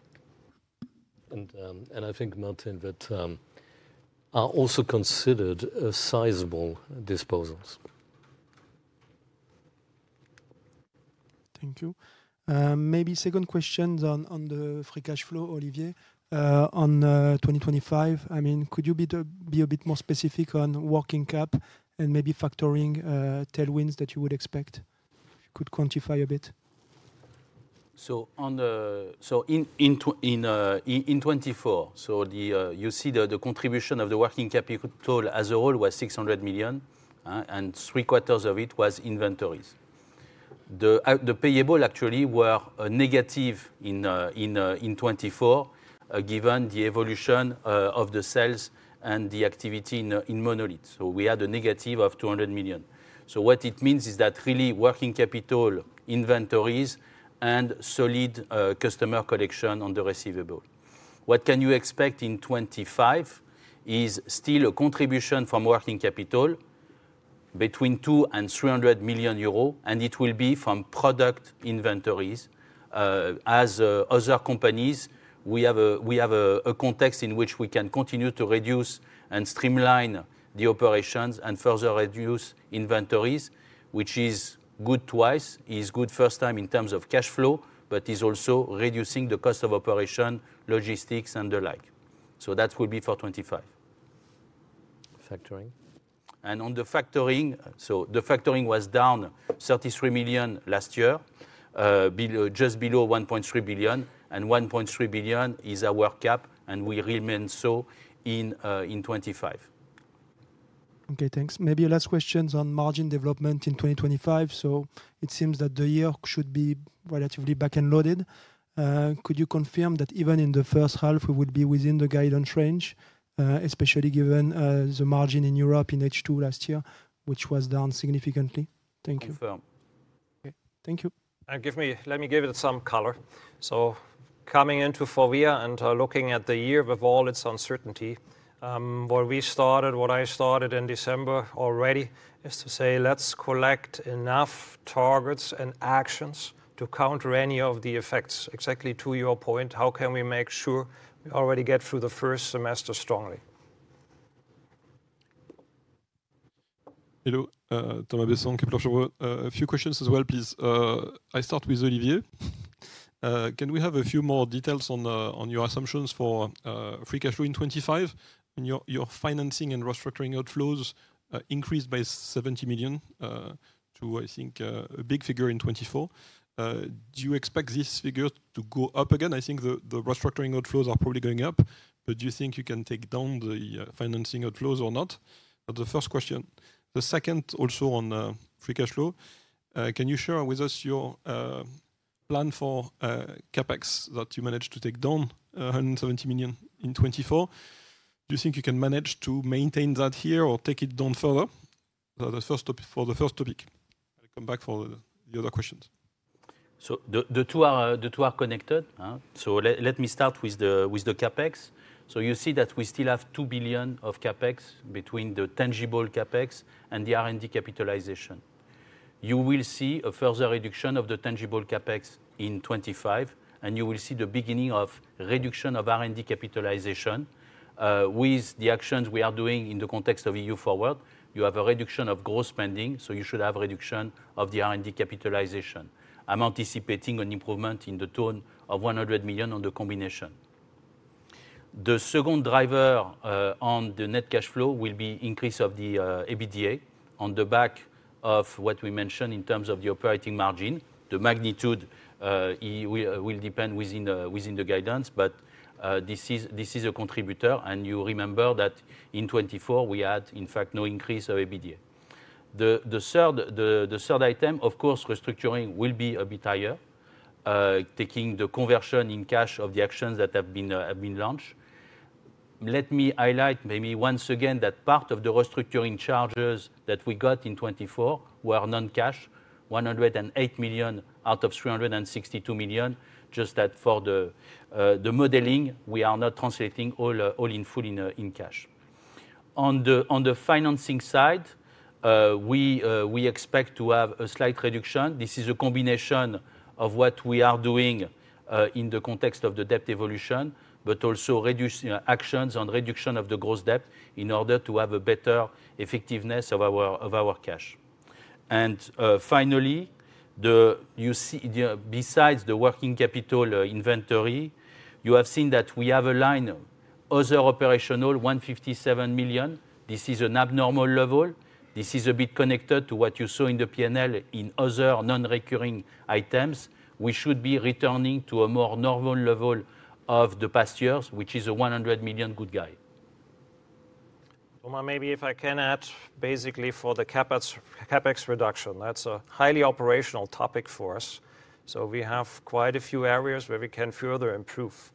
I think, Martin, that are also considered sizable disposals. Thank you. Maybe second question on the free cash flow, Olivier. On 2025, I mean, could you be a bit more specific on working cap and maybe factoring tailwinds that you would expect? Could quantify a bit. So in 2024, so you see the contribution of the working capital as a whole was 600 million, and three quarters of it was inventories. The payables actually were negative in 2024 given the evolution of the sales coming into FORVIA and looking at the year with all its uncertainty, what we started, what I started in December already is to say, let's collect enough targets and actions to counter any of the effects. Exactly to your point, how can we make sure we already get through the first semester strongly. Hello, Thomas Besson, Kepler Cheuvreux. A few questions as well, please. I start with Olivier. Can we have a few more details on your assumptions for free cash flow in 2025? Your financing and restructuring outflows increased by 70 million to, I think, a big figure in 2024. Do you expect this figure to go up again? I think the restructuring outflows are probably going up, but do you think you can take down the financing outflows or not? That's the first question. The second also on free cash flow. Can you share with us your plan for CapEx that you managed to take down 170 million in 2024? Do you think you can manage to maintain that here or take it down further? That was the first topic. I'll come back for the other questions. So the two are connected. So let me start with the CapEx. So you see that we still have 2 billion of CapEx between the tangible CapEx and the R&D capitalization. You will see a further reduction of the tangible CapEx in 2025, and you will see the beginning of reduction of R&D capitalization with the actions we are doing in the context of EU-FORWARD. You have a reduction of gross spending, so you should have a reduction of the R&D capitalization. I'm anticipating an improvement in the order of 100 million on the combination. The second driver on the net cash flow will be the increase of the EBITDA on the back of what we mentioned in terms of the operating margin. The magnitude will depend within the guidance, but this is a contributor. You remember that in 2024, we had, in fact, no increase of EBITDA. The third item, of course, restructuring will be a bit higher, taking the conversion in cash of the actions that have been launched. Let me highlight maybe once again that part of the restructuring charges that we got in 2024 were non-cash, 108 million out of 362 million, just that for the modeling, we are not translating all in full in cash. On the financing side, we expect to have a slight reduction. This is a combination of what we are doing in the context of the debt evolution, but also actions on reduction of the gross debt in order to have a better effectiveness of our cash, and finally, besides the working capital inventory, you have seen that we have a line of other operational, 157 million. This is an abnormal level. This is a bit connected to what you saw in the P&L in other non-recurring items. We should be returning to a more normal level of the past years, which is a 100 million good guy. Maybe if I can add, basically for the CapEx reduction, that's a highly operational topic for us. So we have quite a few areas where we can further improve,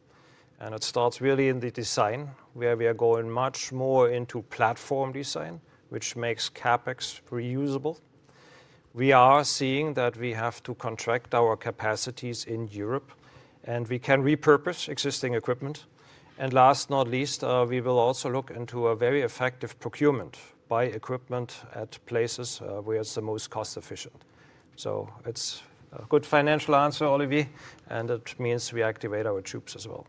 and it starts really in the design where we are going much more into platform design, which makes CapEx reusable. We are seeing that we have to contract our capacities in Europe, and we can repurpose existing equipment, and last but not least, we will also look into a very effective procurement of equipment at places where it's the most cost-efficient, so it's a good financial answer, Olivier, and it means we activate our tools as well.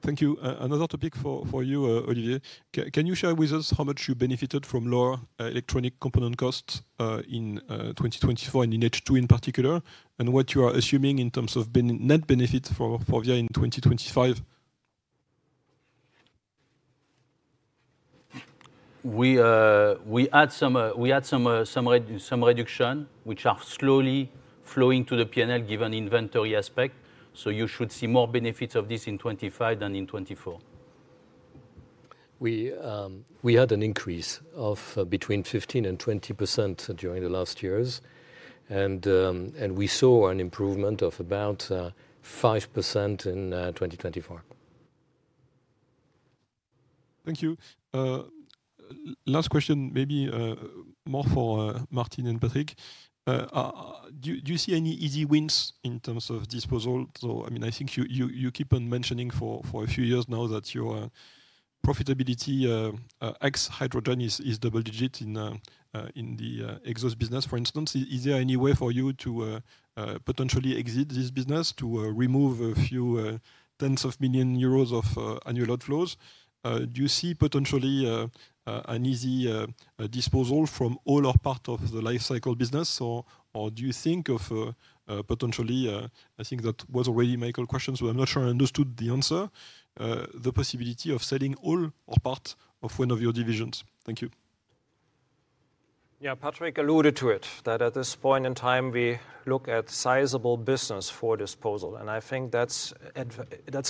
Thank you. Another topic for you, Olivier. Can you share with us how much you benefited from lower electronic component costs in 2024 and in H2 in particular, and what you are assuming in terms of net benefit for FORVIA in 2025? We add some reduction, which are slowly flowing to the P&L given inventory aspect, so you should see more benefits of this in 2025 than in 2024. We had an increase of between 15% and 20% during the last years, and we saw an improvement of about 5% in 2024. Thank you. Last question, maybe more for Martin and Patrick. Do you see any easy wins in terms of disposal? I mean, I think you keep on mentioning for a few years now that your profitability ex-hydrogen is double-digit in the exhaust business. For instance, is there any way for you to potentially exit this business to remove a few tens of million euro of annual outflows? Do you see potentially an easy disposal from all or part of the Llifecycle business, or do you think of potentially, I think that was already Michael's question, so I'm not sure I understood the answer, the possibility of selling all or part of one of your divisions? Thank you. Yeah, Patrick alluded to it, that at this point in time, we look at sizable business for disposal, and I think that's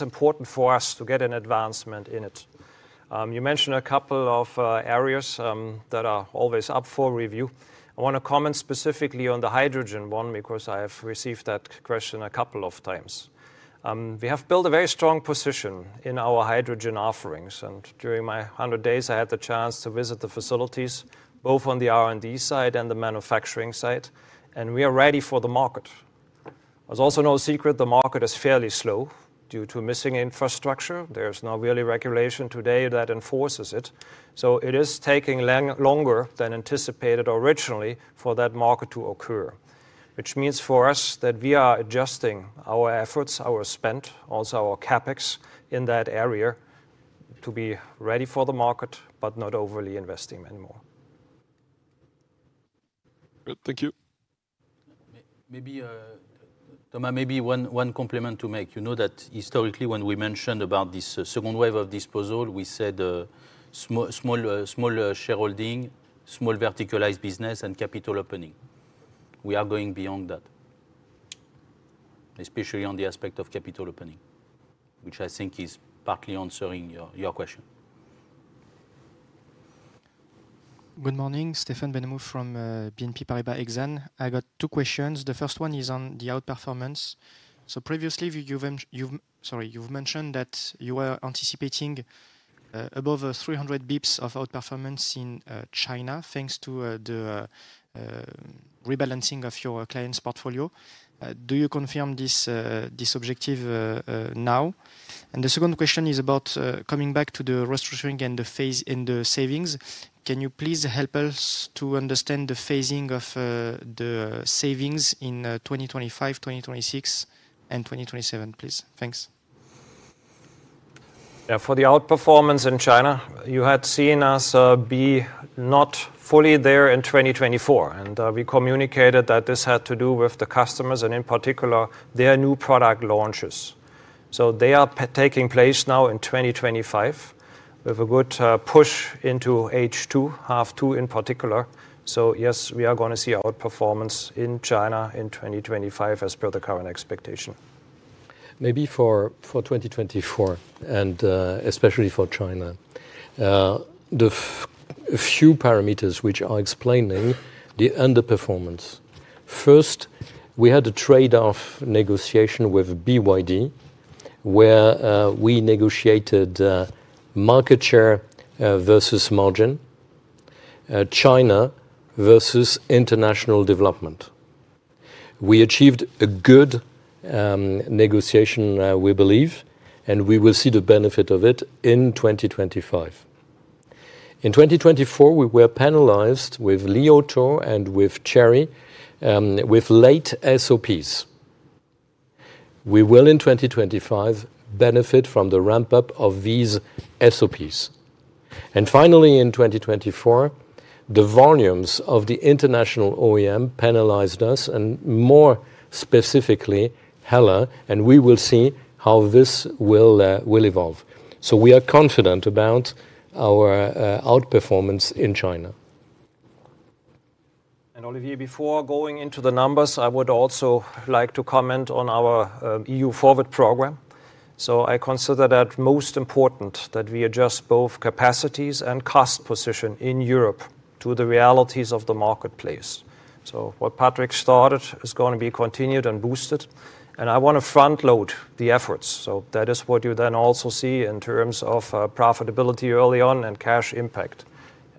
important for us to get an advancement in it. You mentioned a couple of areas that are always up for review. I want to comment specifically on the hydrogen one because I have received that question a couple of times. We have built a very strong position in our hydrogen offerings, and during my 100 days, I had the chance to visit the facilities, both on the R&D side and the manufacturing side, and we are ready for the market. It's also no secret the market is fairly slow due to missing infrastructure. There's no real regulation today that enforces it. So it is taking longer than anticipated originally for that market to occur, which means for us that we are adjusting our efforts, our spend, also our CapEx in that area to be ready for the market, but not overly investing anymore. Thank you. Maybe one compliment to make. You know that historically, when we mentioned about this second wave of disposal, we said small shareholding, small verticalized business, and capital opening. We are going beyond that, especially on the aspect of capital opening, which I think is partly answering your question. Good morning, Stephen Benhamou from BNP Paribas Exane. I got two questions. The first one is on the outperformance. So previously, sorry, you've mentioned that you were anticipating above 300 basis points of outperformance in China thanks to the rebalancing of your client's portfolio. Do you confirm this objective now? And the second question is about coming back to the restructuring and the savings. Can you please help us to understand the phasing of the savings in 2025, 2026, and 2027, please? Thanks. Yeah, for the outperformance in China, you had seen us be not fully there in 2024, and we communicated that this had to do with the customers and in particular their new product launches. So they are taking place now in 2025 with a good push into H2, half two in particular. So yes, we are going to see outperformance in China in 2025 as per the current expectation. Maybe for 2024, and especially for China, the few parameters which are explaining the underperformance. First, we had a trade-off negotiation with BYD, where we negotiated market share versus margin, China versus international development. We achieved a good negotiation, we believe, and we will see the benefit of it in 2025. In 2024, we were penalized with Li Auto and with Chery with late SOPs. We will in 2025 benefit from the ramp-up of these SOPs. Finally, in 2024, the volumes of the international OEM penalized us, and more specifically HELLA, and we will see how this will evolve. We are confident about our outperformance in China. Olivier, before going into the numbers, I would also like to comment on our EU-FORWARD program. I consider that most important that we adjust both capacities and cost position in Europe to the realities of the marketplace. What Patrick started is going to be continued and boosted, and I want to front-load the efforts. That is what you then also see in terms of profitability early on and cash impact.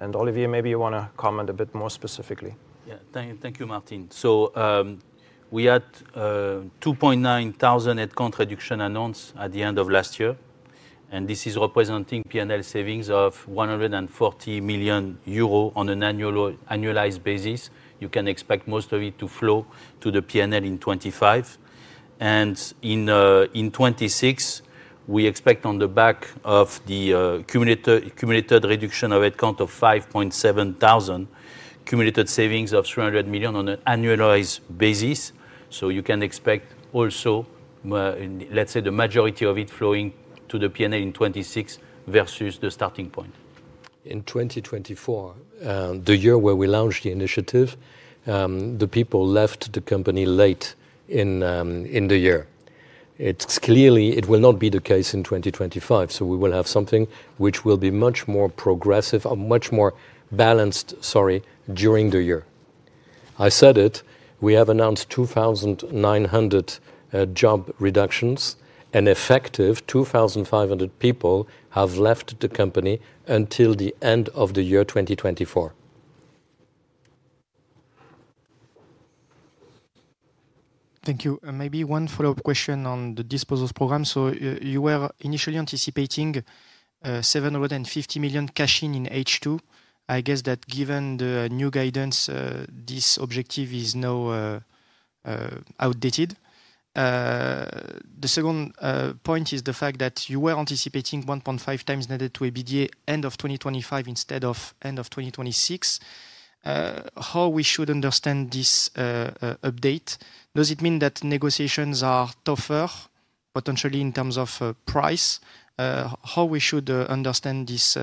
Olivier, maybe you want to comment a bit more specifically. Yeah, thank you, Martin. We had 2.9 thousand headcount reduction announced at the end of last year, and this is representing P&L savings of 140 million euro on an annualized basis. You can expect most of it to flow to the P&L in 2025. In 2026, we expect on the back of the cumulated reduction of headcount of 5.7 thousand, cumulated savings of 300 million on an annualized basis. You can expect also, let's say, the majority of it flowing to the P&L in 2026 versus the starting point. In 2024, the year where we launched the initiative, the people left the company late in the year. It's clearly, it will not be the case in 2025. We will have something which will be much more progressive, much more balanced, sorry, during the year. I said it, we have announced 2,900 job reductions, and effective 2,500 people have left the company until the end of the year 2024. Thank you. Maybe one follow-up question on the disposal program. So you were initially anticipating 750 million cash in H2. I guess that given the new guidance, this objective is now outdated. The second point is the fact that you were anticipating 1.5 times net debt to EBITDA end of 2025 instead of end of 2026. How should we understand this update? Does it mean that negotiations are tougher, potentially in terms of price? How should we understand this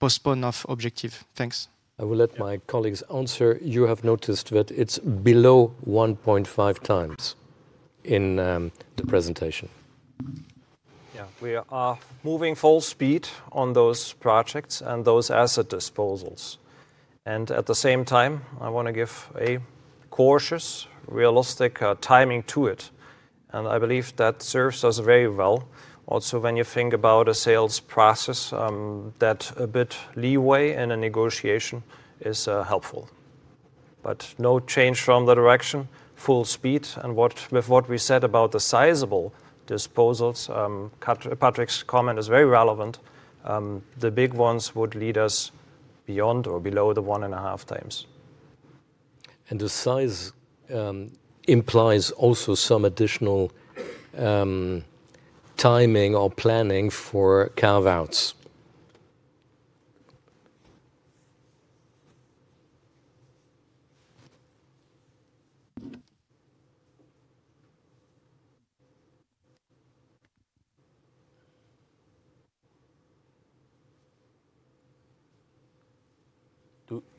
postponed objective? Thanks. I will let my colleagues answer. You have noticed that it's below 1.5 times in the presentation. Yeah, we are moving full speed on those projects and those asset disposals. And at the same time, I want to give a cautious, realistic timing to it. And I believe that serves us very well. Also, when you think about a sales process, that a bit of leeway in a negotiation is helpful. But no change from the direction, full speed. And with what we said about the sizable disposals, Patrick's comment is very relevant. The big ones would lead us beyond or below the 1.5 times. And the size implies also some additional timing or planning for carve-outs. Do we have questions on the chat? Yes, sir.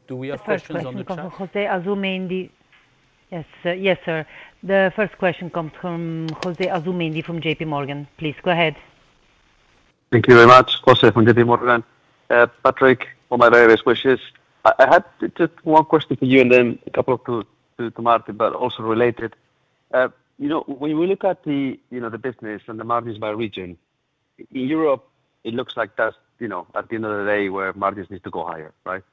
The first question comes from José Asumendi JPMorgan. Please go ahead. Thank you very much. José from JPMorgan. Patrick, all my very best wishes. I had just one question for you and then a couple to Martin, but also related. When we look at the business and the margins by region, in Europe, it looks like that at the end of the day, where margins need to go higher, right?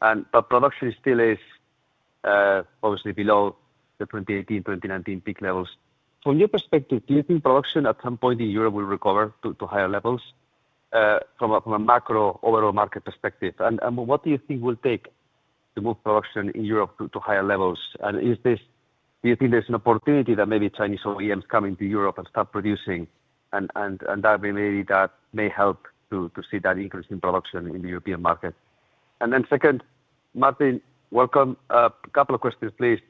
But production still is obviously below the 2018, 2019 peak levels. From your perspective, do you think production at some point in Europe will recover to higher levels from a macro overall market perspective? And what do you think will take to move production in Europe to higher levels? And do you think there's an opportunity that maybe Chinese OEMs coming to Europe and start producing and that maybe that may help to see that increase in production in the European market? And then second, Martin, welcome. A couple of questions, please.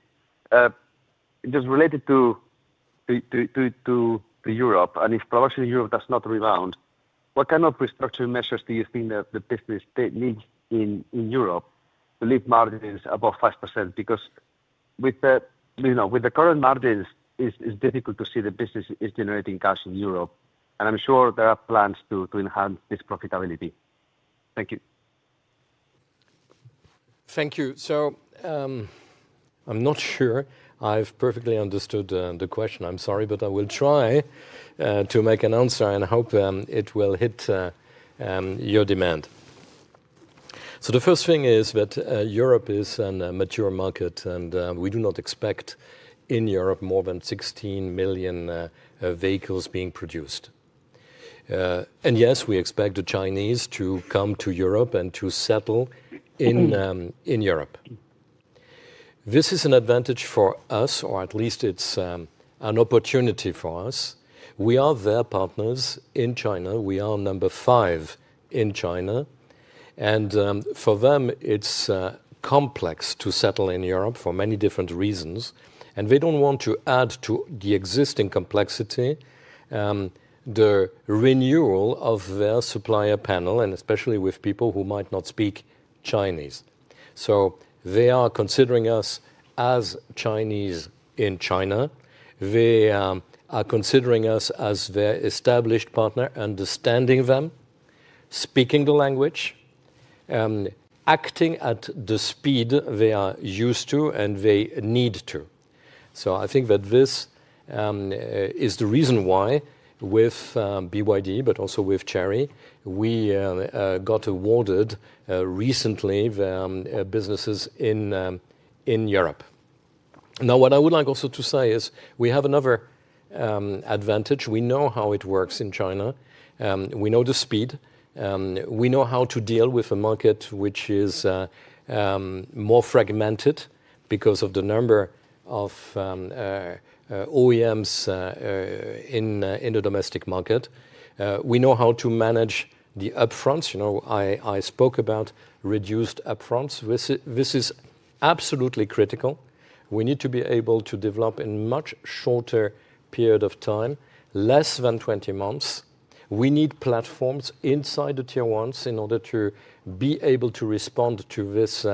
Just related to Europe, and if production in Europe does not rebound, what kind of restructuring measures do you think the business needs in Europe to leave margins above 5%? Because with the current margins, it's difficult to see the business is generating cash in Europe, and I'm sure there are plans to enhance this profitability. Thank you. Thank you, so I'm not sure I've perfectly understood the question. I'm sorry, but I will try to make an answer and hope it will hit your demand, so the first thing is that Europe is a mature market and we do not expect in Europe more than 16 million vehicles being produced, and yes, we expect the Chinese to come to Europe and to settle in Europe. This is an advantage for us, or at least it's an opportunity for us. We are their partners in China. We are number five in China, and for them, it's complex to settle in Europe for many different reasons, and they don't want to add to the existing complexity the renewal of their supplier panel, and especially with people who might not speak Chinese. So they are considering us as Chinese in China. They are considering us as their established partner, understanding them, speaking the language, acting at the speed they are used to and they need to. So I think that this is the reason why with BYD, but also with Chery, we got awarded recently businesses in Europe. Now, what I would like also to say is we have another advantage. We know how it works in China. We know the speed. We know how to deal with a market which is more fragmented because of the number of OEMs in the domestic market. We know how to manage the upfronts. I spoke about reduced upfronts. This is absolutely critical. We need to be able to develop in a much shorter period of time, less than 20 months. We need platforms inside the Tier 1s in order to be able to respond to this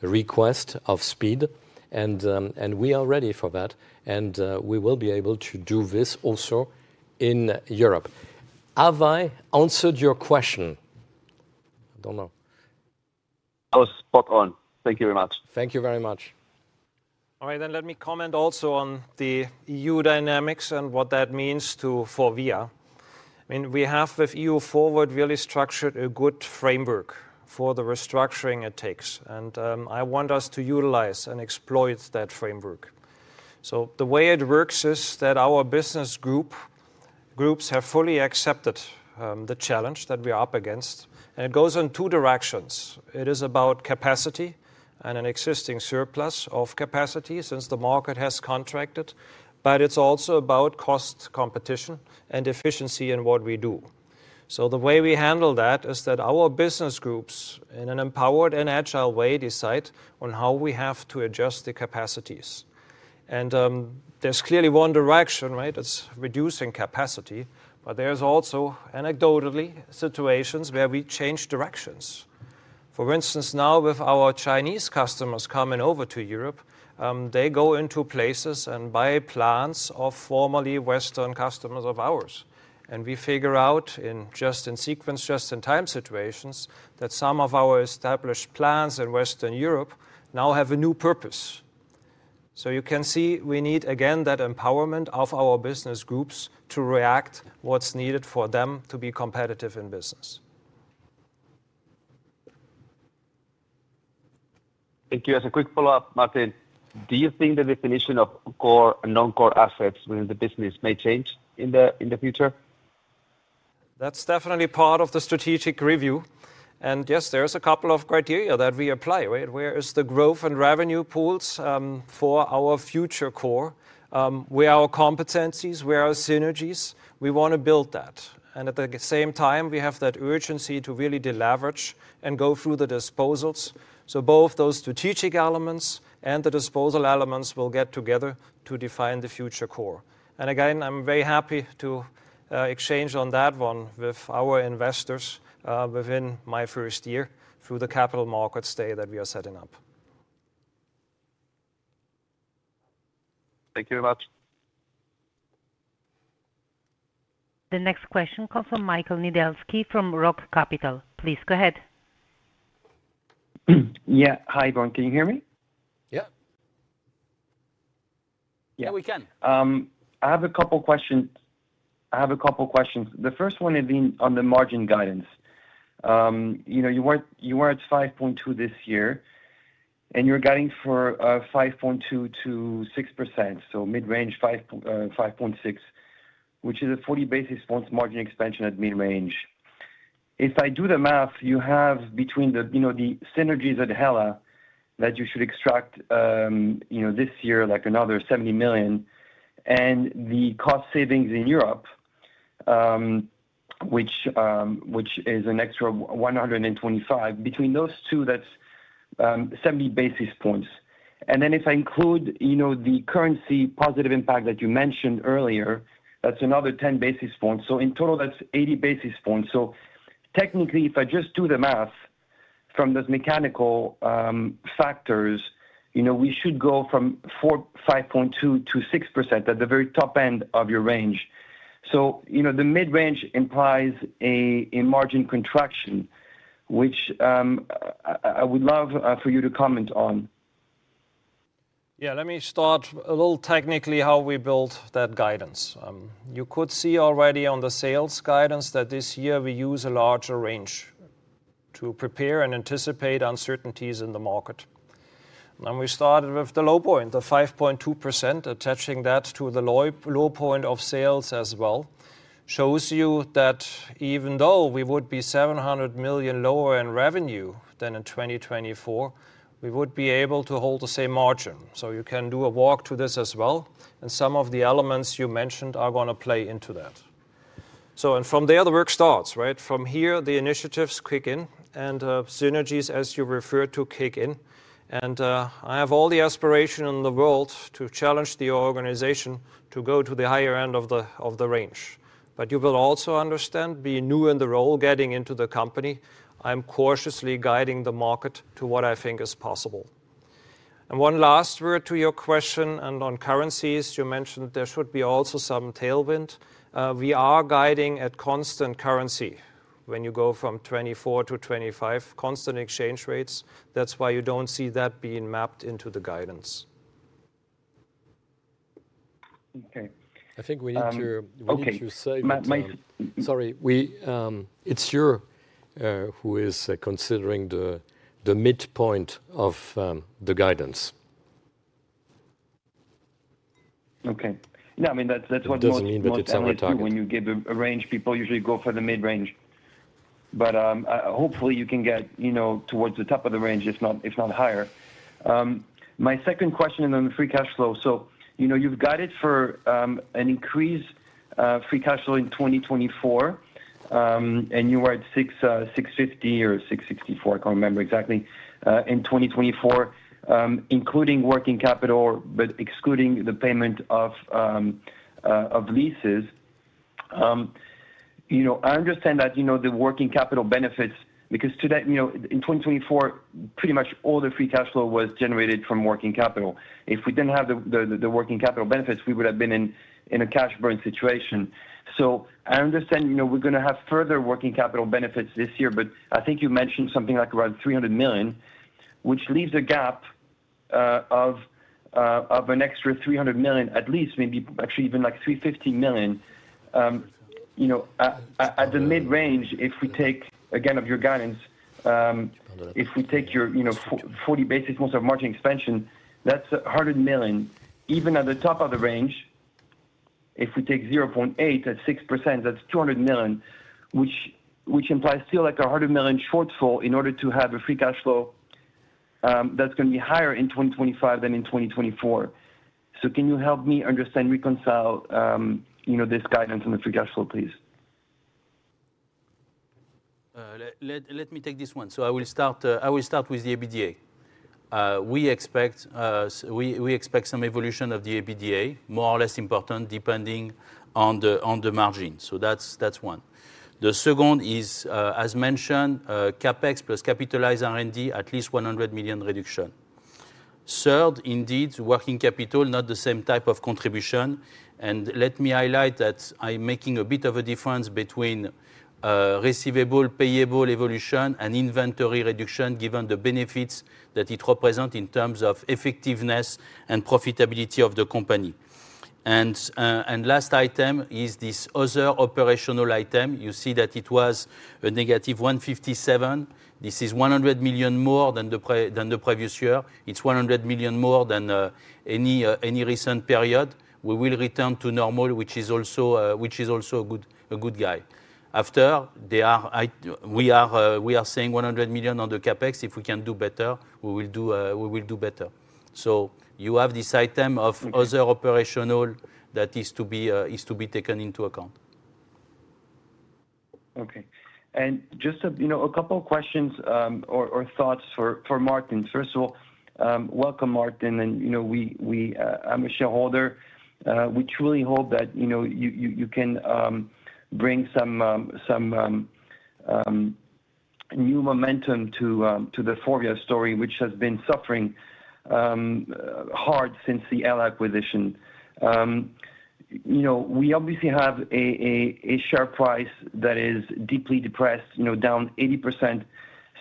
request of speed, and we are ready for that, and we will be able to do this also in Europe. Have I answered your question? I don't know. I was spot on. Thank you very much. Thank you very much. All right, then let me comment also on the EU dynamics and what that means for FORVIA. I mean, we have with EU-FORWARD really structured a good framework for the restructuring it takes, and I want us to utilize and exploit that framework. So the way it works is that our business groups have fully accepted the challenge that we are up against. And it goes in two directions. It is about capacity and an existing surplus of capacity since the market has contracted. But it's also about cost competition and efficiency in what we do. So the way we handle that is that our business groups in an empowered and agile way decide on how we have to adjust the capacities. And there's clearly one direction, right? It's reducing capacity. But there's also anecdotally situations where we change directions. For instance, now with our Chinese customers coming over to Europe, they go into places and buy plants of formerly Western customers of ours. And we figure out in just in sequence, just in time situations that some of our established plants in Western Europe now have a new purpose. So you can see we need again that empowerment of our business groups to react what's needed for them to be competitive in business. Thank you. As a quick follow-up, Martin, do you think the definition of core and non-core assets within the business may change in the future? That's definitely part of the strategic review. And yes, there's a couple of criteria that we apply. Where is the growth and revenue pools for our future core? Where are our competencies? Where are our synergies? We want to build that. And at the same time, we have that urgency to really deleverage and go through the disposals. So both those strategic elements and the disposal elements will get together to define the future core. I'm very happy to exchange on that one with our investors within my first year through the Capital Markets Day that we are setting up. Thank you very much. The next question comes from Michael Niedzielski from ROCE Capital. Please go ahead. Yeah. Hi. Can you all hear me? Yeah. Yeah, we can. I have a couple of questions. The first one is on the margin guidance. You weren't 5.2% this year, and you're guiding for 5.2%-6%, so mid-range 5.6%, which is a 40 basis points margin expansion at mid-range. If I do the math, you have between the synergies at HELLA that you should extract this year, like another 70 million, and the cost savings in Europe, which is an extra 125 million, between those two, that's 70 basis points. Then if I include the currency positive impact that you mentioned earlier, that's another 10 basis points. So in total, that's 80 basis points. So technically, if I just do the math from those mechanical factors, we should go from 5.2%-6% at the very top end of your range. So the mid-range implies a margin contraction, which I would love for you to comment on. Yeah, let me start a little technically how we build that guidance. You could see already on the sales guidance that this year we use a larger range to prepare and anticipate uncertainties in the market. We started with the low point, the 5.2%, attaching that to the low point of sales as well, shows you that even though we would be 700 million lower in revenue than in 2024, we would be able to hold the same margin. You can do a walk to this as well. And some of the elements you mentioned are going to play into that. From there, the work starts, right? From here, the initiatives kick in and synergies, as you referred to, kick in. And I have all the aspiration in the world to challenge the organization to go to the higher end of the range. But you will also understand, being new in the role, getting into the company, I'm cautiously guiding the market to what I think is possible. And one last word to your question on currencies. You mentioned there should be also some tailwind. We are guiding at constant currency when you go from 2024 to 2025, constant exchange rates. That's why you don't see that being mapped into the guidance. Okay. I think we need to say. Sorry, it's you who is considering the midpoint of the guidance. Okay. No, I mean, that's what it doesn't mean that it's undertaken when you give a range. People usually go for the mid-range. But hopefully, you can get towards the top of the range, if not higher. My second question on the free cash flow. So you've got it for an increase free cash flow in 2024, and you were at 650 or 664, I can't remember exactly, in 2024, including working capital, but excluding the payment of leases. I understand that the working capital benefits, because in 2024, pretty much all the free cash flow was generated from working capital. If we didn't have the working capital benefits, we would have been in a cash burn situation. I understand we're going to have further working capital benefits this year, but I think you mentioned something like around 300 million, which leaves a gap of an extra 300 million, at least, maybe actually even like 350 million. At the mid-range, if we take, again, of your guidance, if we take your 40 basis points of margin expansion, that's 100 million. Even at the top of the range, if we take 0.8 at 6%, that's 200 million, which implies still like a 100 million shortfall in order to have a free cash flow that's going to be higher in 2025 than in 2024. So can you help me understand, reconcile this guidance on the free cash flow, please? Let me take this one. I will start with the EBITDA. We expect some evolution of the EBITDA, more or less important, depending on the margin. That's one. The second is, as mentioned, CapEx plus capitalized R&D, at least 100 million reduction. Third, indeed, working capital, not the same type of contribution, and let me highlight that I'm making a bit of a difference between receivable, payable evolution, and inventory reduction, given the benefits that it represents in terms of effectiveness and profitability of the company. And last item is this other operational item. You see that it was a negative 157 million. This is 100 million more than the previous year. It's 100 million more than any recent period. We will return to normal, which is also a good guide. After, we are seeing 100 million on the CapEx. If we can do better, we will do better, so you have this item of other operational that is to be taken into account. Okay, and just a couple of questions or thoughts for Martin. First of all, welcome, Martin. I'm a shareholder. We truly hope that you can bring some new momentum to the FORVIA story, which has been suffering hard since the HELLA acquisition. We obviously have a share price that is deeply depressed, down 80%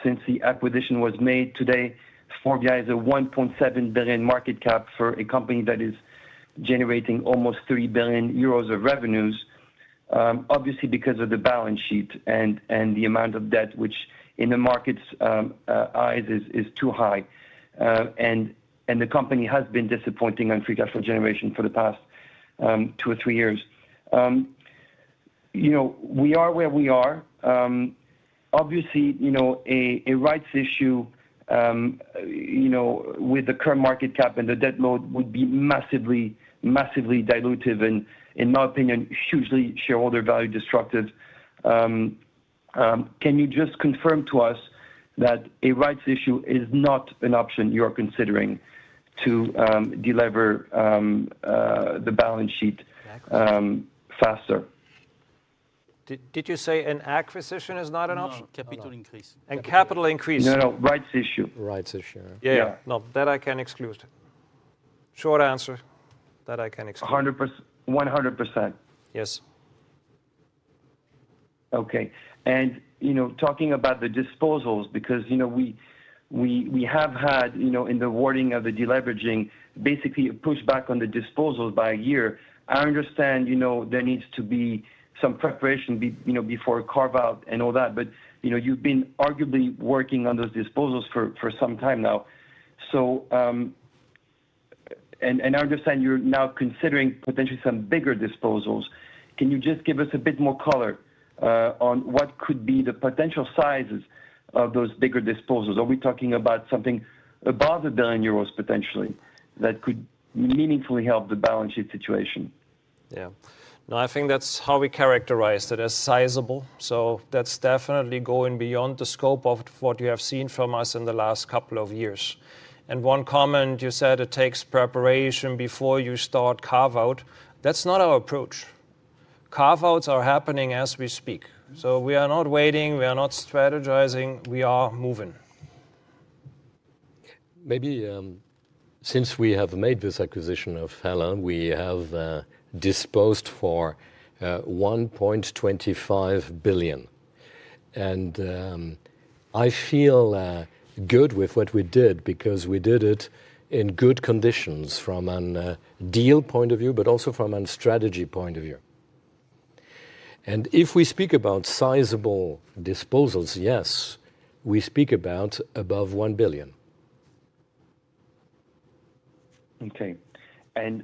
since the acquisition was made. Today, FORVIA is a 1.7 billion market cap for a company that is generating almost 3 billion euros of revenues, obviously because of the balance sheet and the amount of debt, which in the market's eyes is too high. The company has been disappointing on free cash flow generation for the past two or three years. We are where we are. Obviously, a rights issue with the current market cap and the debt load would be massively dilutive and, in my opinion, hugely shareholder value destructive. Can you just confirm to us that a rights issue is not an option you are considering to deliver the balance sheet faster? Did you say an acquisition is not an option? Capital increase. And capital increase. No, no, rights issue. Rights issue. Yeah. No, that I can exclude. Short answer, that I can exclude. 100%. Yes. Okay. And talking about the disposals, because we have had, in the wording of the deleveraging, basically a pushback on the disposals by a year. I understand there needs to be some preparation before carve-out and all that, but you've been arguably working on those disposals for some time now. And I understand you're now considering potentially some bigger disposals. Can you just give us a bit more color on what could be the potential sizes of those bigger disposals? Are we talking about something above 1 billion euros potentially that could meaningfully help the balance sheet situation? Yeah. No, I think that's how we characterize it as sizable. So that's definitely going beyond the scope of what you have seen from us in the last couple of years. And one comment you said, it takes preparation before you start carve-out. That's not our approach. Carve-outs are happening as we speak. So we are not waiting. We are not strategizing. We are moving. Maybe since we have made this acquisition of HELLA, we have disposed for 1.25 billion. And I feel good with what we did because we did it in good conditions from a deal point of view, but also from a strategy point of view. And if we speak about sizable disposals, yes, we speak about above 1 billion. Okay. And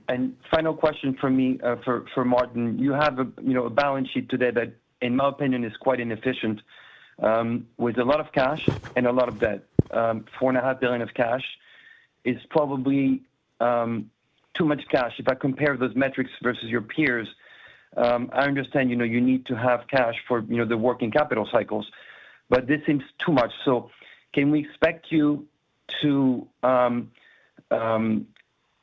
final question for me, for Martin. You have a balance sheet today that, in my opinion, is quite inefficient with a lot of cash and a lot of debt. 4.5 billion of cash is probably too much cash. If I compare those metrics versus your peers, I understand you need to have cash for the working capital cycles, but this seems too much. So can we expect you to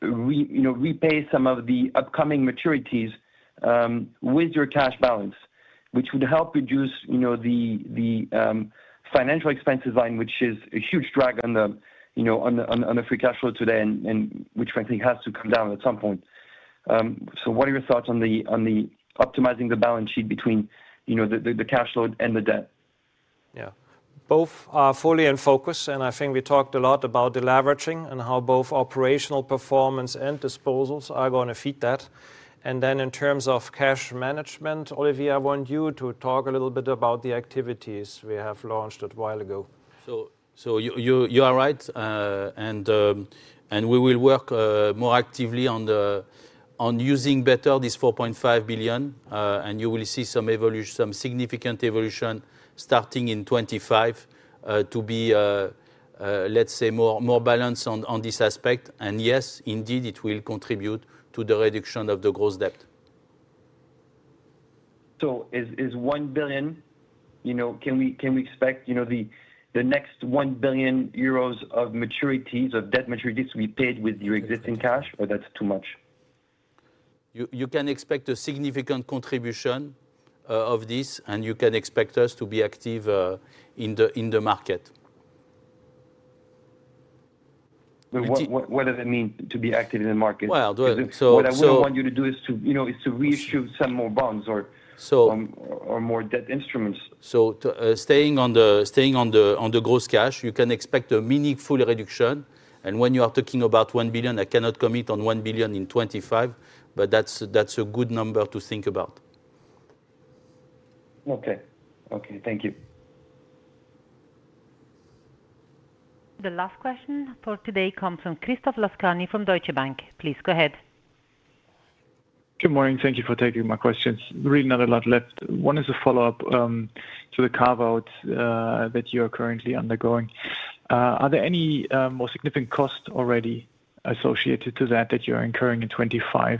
repay some of the upcoming maturities with your cash balance, which would help reduce the financial expenses line, which is a huge drag on the free cash flow today, and which, frankly, has to come down at some point? So what are your thoughts on optimizing the balance sheet between the cash flow and the debt? Yeah. Both are fully in focus. And I think we talked a lot about deleveraging and how both operational performance and disposals are going to feed that. Then in terms of cash management, Olivier, I want you to talk a little bit about the activities we have launched a while ago. So you are right. We will work more actively on using better this 4.5 billion. You will see some significant evolution starting in 2025 to be, let's say, more balanced on this aspect. Yes, indeed, it will contribute to the reduction of the gross debt. So is 1 billion; can we expect the next 1 billion euros of maturities, of debt maturities, to be paid with your existing cash, or that's too much? You can expect a significant contribution of this, and you can expect us to be active in the market. What does it mean to be active in the market? What I would want you to do is to reissue some more bonds or more debt instruments. So staying on the gross cash, you can expect a meaningful reduction. And when you are talking about 1 billion, I cannot commit on 1 billion in 2025, but that's a good number to think about. Okay. Okay. Thank you. The last question for today comes from Christoph Laskawi from Deutsche Bank. Please go ahead. Good morning. Thank you for taking my questions. Really not a lot left. One is a follow-up to the carve-out that you are currently undergoing. Are there any more significant costs already associated to that that you're incurring in 2025,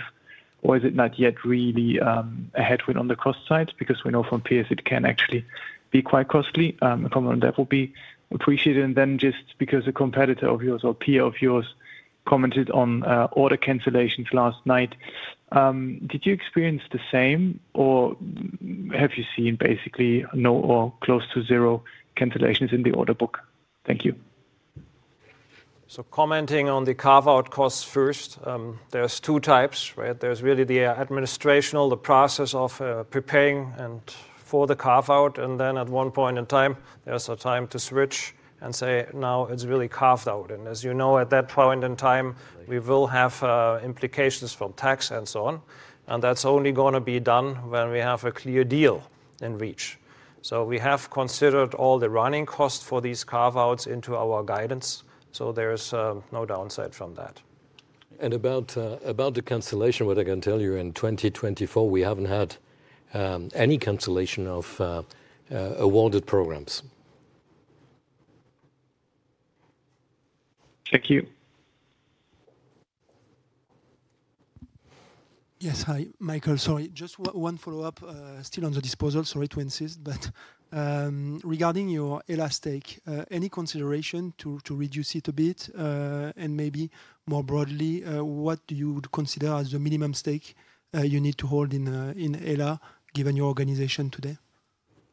or is it not yet really a headwind on the cost side? Because we know from peers it can actually be quite costly. A comment on that would be appreciated. Then just because a competitor of yours or peer of yours commented on order cancellations last night, did you experience the same, or have you seen basically no or close to zero cancellations in the order book? Thank you. Commenting on the carve-out costs first, there are two types, right? There is really the administrational, the process of preparing for the carve-out, and then at one point in time, there is a time to switch and say, "Now, it is really carved out." As you know, at that point in time, we will have implications from tax and so on. That is only going to be done when we have a clear deal in reach. We have considered all the running costs for these carve-outs into our guidance, so there is no downside from that. About the cancellation, what I can tell you, in 2024, we haven't had any cancellation of awarded programs. Thank you. Yes. Hi, Michael. Sorry. Just one follow-up, still on the disposal. Sorry to insist. But regarding your HELLA stake, any consideration to reduce it a bit? And maybe more broadly, what do you consider as the minimum stake you need to hold in HELLA, given your organization today?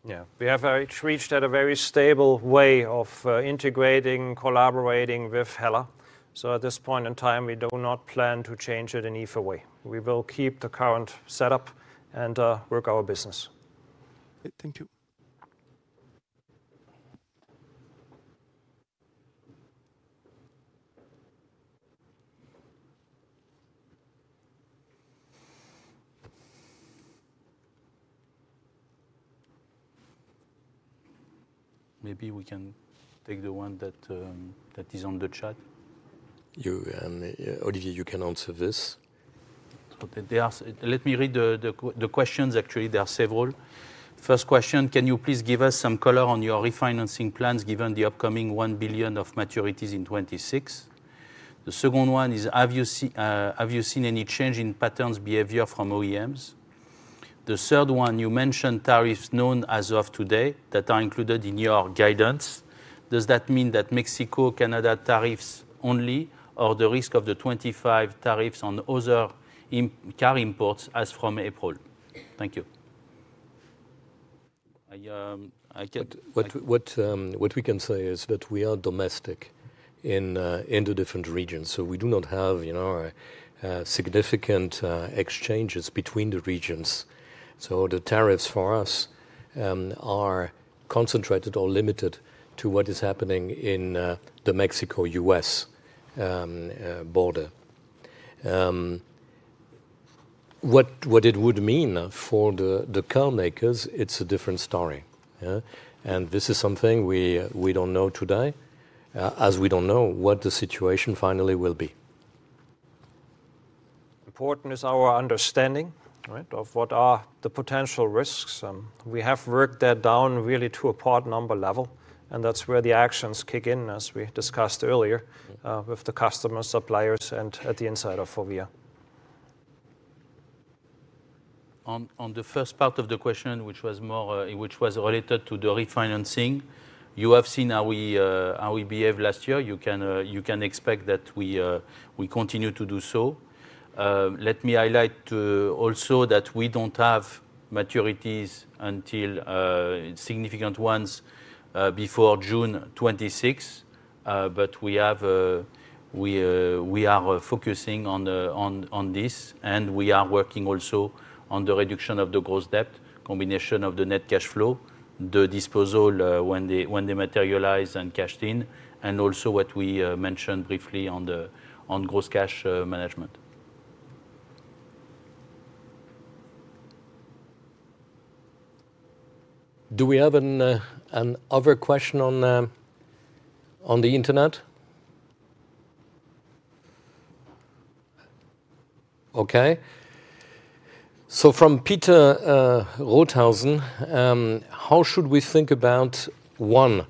Yeah. We have reached at a very stable way of integrating, collaborating with HELLA. So at this point in time, we do not plan to change it in either way. We will keep the current setup and work our business. Thank you. Maybe we can take the one that is on the chat. Olivier, you can answer this. Let me read the questions. Actually, there are several. First question, can you please give us some color on your refinancing plans given the upcoming 1 billion of maturities in 2026? The second one is, have you seen any change in patterns behavior from OEMs? The third one, you mentioned tariffs known as of today that are included in your guidance. Does that mean that Mexico, Canada tariffs only, or the risk of the 25% tariffs on other car imports as from April? Thank you. What we can say is that we are domestic in the different regions. So we do not have significant exchanges between the regions. So the tariffs for us are concentrated or limited to what is happening in the Mexico-U.S. border. What it would mean for the car makers, it's a different story. And this is something we don't know today, as we don't know what the situation finally will be. Important is our understanding of what are the potential risks. We have worked that down really to a part number level, and that's where the actions kick in, as we discussed earlier, with the customers, suppliers, and at the inside of FORVIA. On the first part of the question, which was related to the refinancing, you have seen how we behaved last year. You can expect that we continue to do so. Let me highlight also that we don't have maturities until significant ones before June 2026. But we are focusing on this, and we are working also on the reduction of the gross debt, combination of the net cash flow, the disposal when they materialize and cashed in, and also what we mentioned briefly on gross cash management. Do we have another question on the internet? Okay. From Peter Rothenaicher, how should we think about one,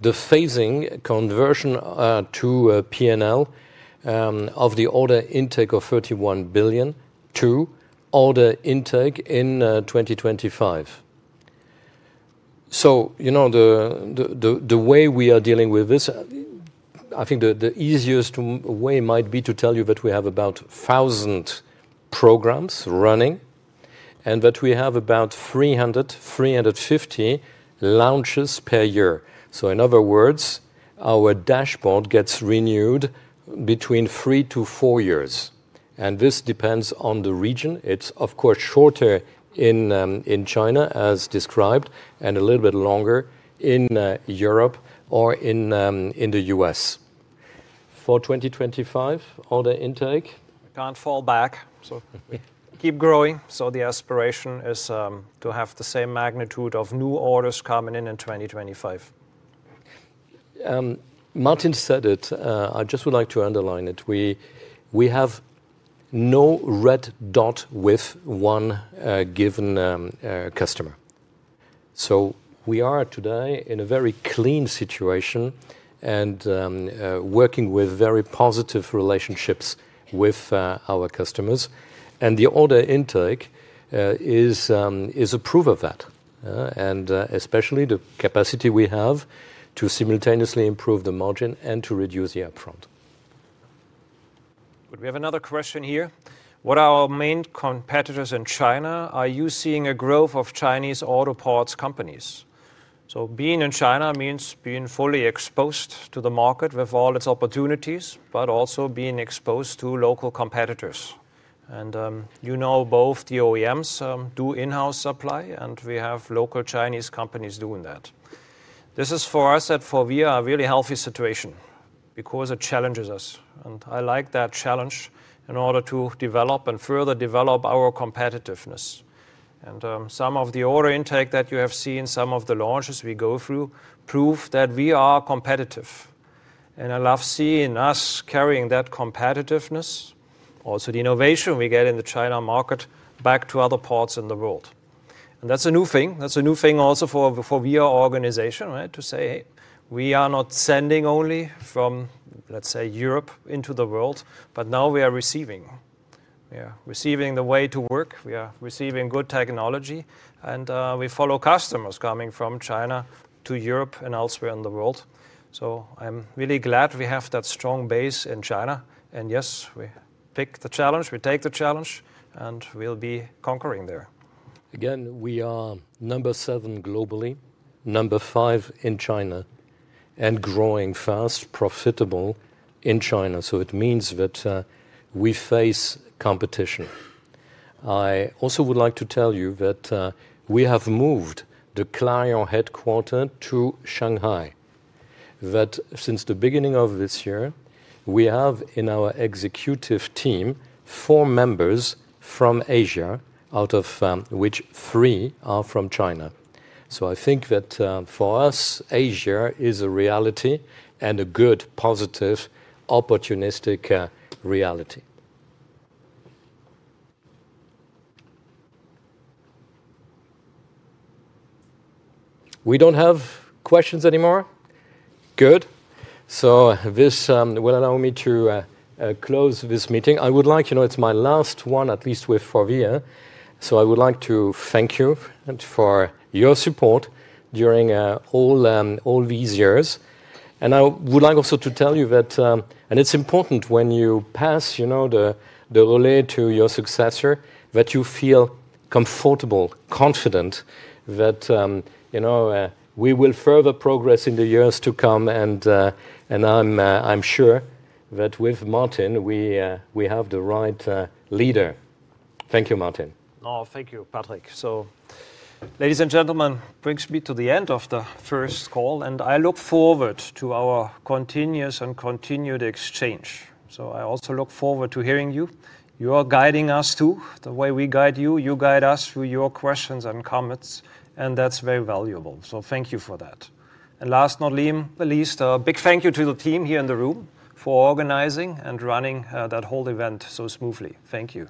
the phasing conversion to P&L of the order intake of 31 billion, two, order intake in 2025? The way we are dealing with this, I think the easiest way might be to tell you that we have about 1,000 programs running and that we have about 300-350 launches per year. In other words, our dashboard gets renewed between three to four years. This depends on the region. It's, of course, shorter in China, as described, and a little bit longer in Europe or in the U.S. For 2025, order intake? It can't fall back. Keep growing. The aspiration is to have the same magnitude of new orders coming in in 2025. Martin said it. I just would like to underline it. We have no red dot with one given customer. We are today in a very clean situation and working with very positive relationships with our customers. The order intake is a proof of that, and especially the capacity we have to simultaneously improve the margin and to reduce the upfront. We have another question here. What are our main competitors in China? Are you seeing a growth of Chinese auto parts companies? Being in China means being fully exposed to the market with all its opportunities, but also being exposed to local competitors. You know both the OEMs do in-house supply, and we have local Chinese companies doing that. This is, for us at FORVIA, a really healthy situation because it challenges us. I like that challenge in order to develop and further develop our competitiveness. And some of the order intake that you have seen, some of the launches we go through, prove that we are competitive. And I love seeing us carrying that competitiveness, also the innovation we get in the China market back to other parts in the world. And that's a new thing. That's a new thing also for FORVIA organization to say, "Hey, we are not sending only from, let's say, Europe into the world, but now we are receiving. We are receiving the way to work. We are receiving good technology. And we follow customers coming from China to Europe and elsewhere in the world." So I'm really glad we have that strong base in China. And yes, we pick the challenge. We take the challenge, and we'll be conquering there. Again, we are number seven globally, number five in China, and growing fast, profitable in China. So it means that we face competition. I also would like to tell you that we have moved the Clarion headquarters to Shanghai. That since the beginning of this year, we have in our executive team four members from Asia, out of which three are from China. So I think that for us, Asia is a reality and a good, positive, opportunistic reality. We don't have questions anymore? Good. So this will allow me to close this meeting. I would like; it's my last one, at least with FORVIA. So I would like to thank you for your support during all these years. And I would like also to tell you that, and it's important when you pass the relay to your successor, that you feel comfortable, confident that we will further progress in the years to come. And I'm sure that with Martin, we have the right leader. Thank you, Martin. Oh, thank you, Patrick. So, ladies and gentlemen, brings me to the end of the first call. And I look forward to our continuous and continued exchange. So I also look forward to hearing you. You are guiding us too. The way we guide you, you guide us through your questions and comments. And that's very valuable. So thank you for that. And last, not least, a big thank you to the team here in the room for organizing and running that whole event so smoothly. Thank you.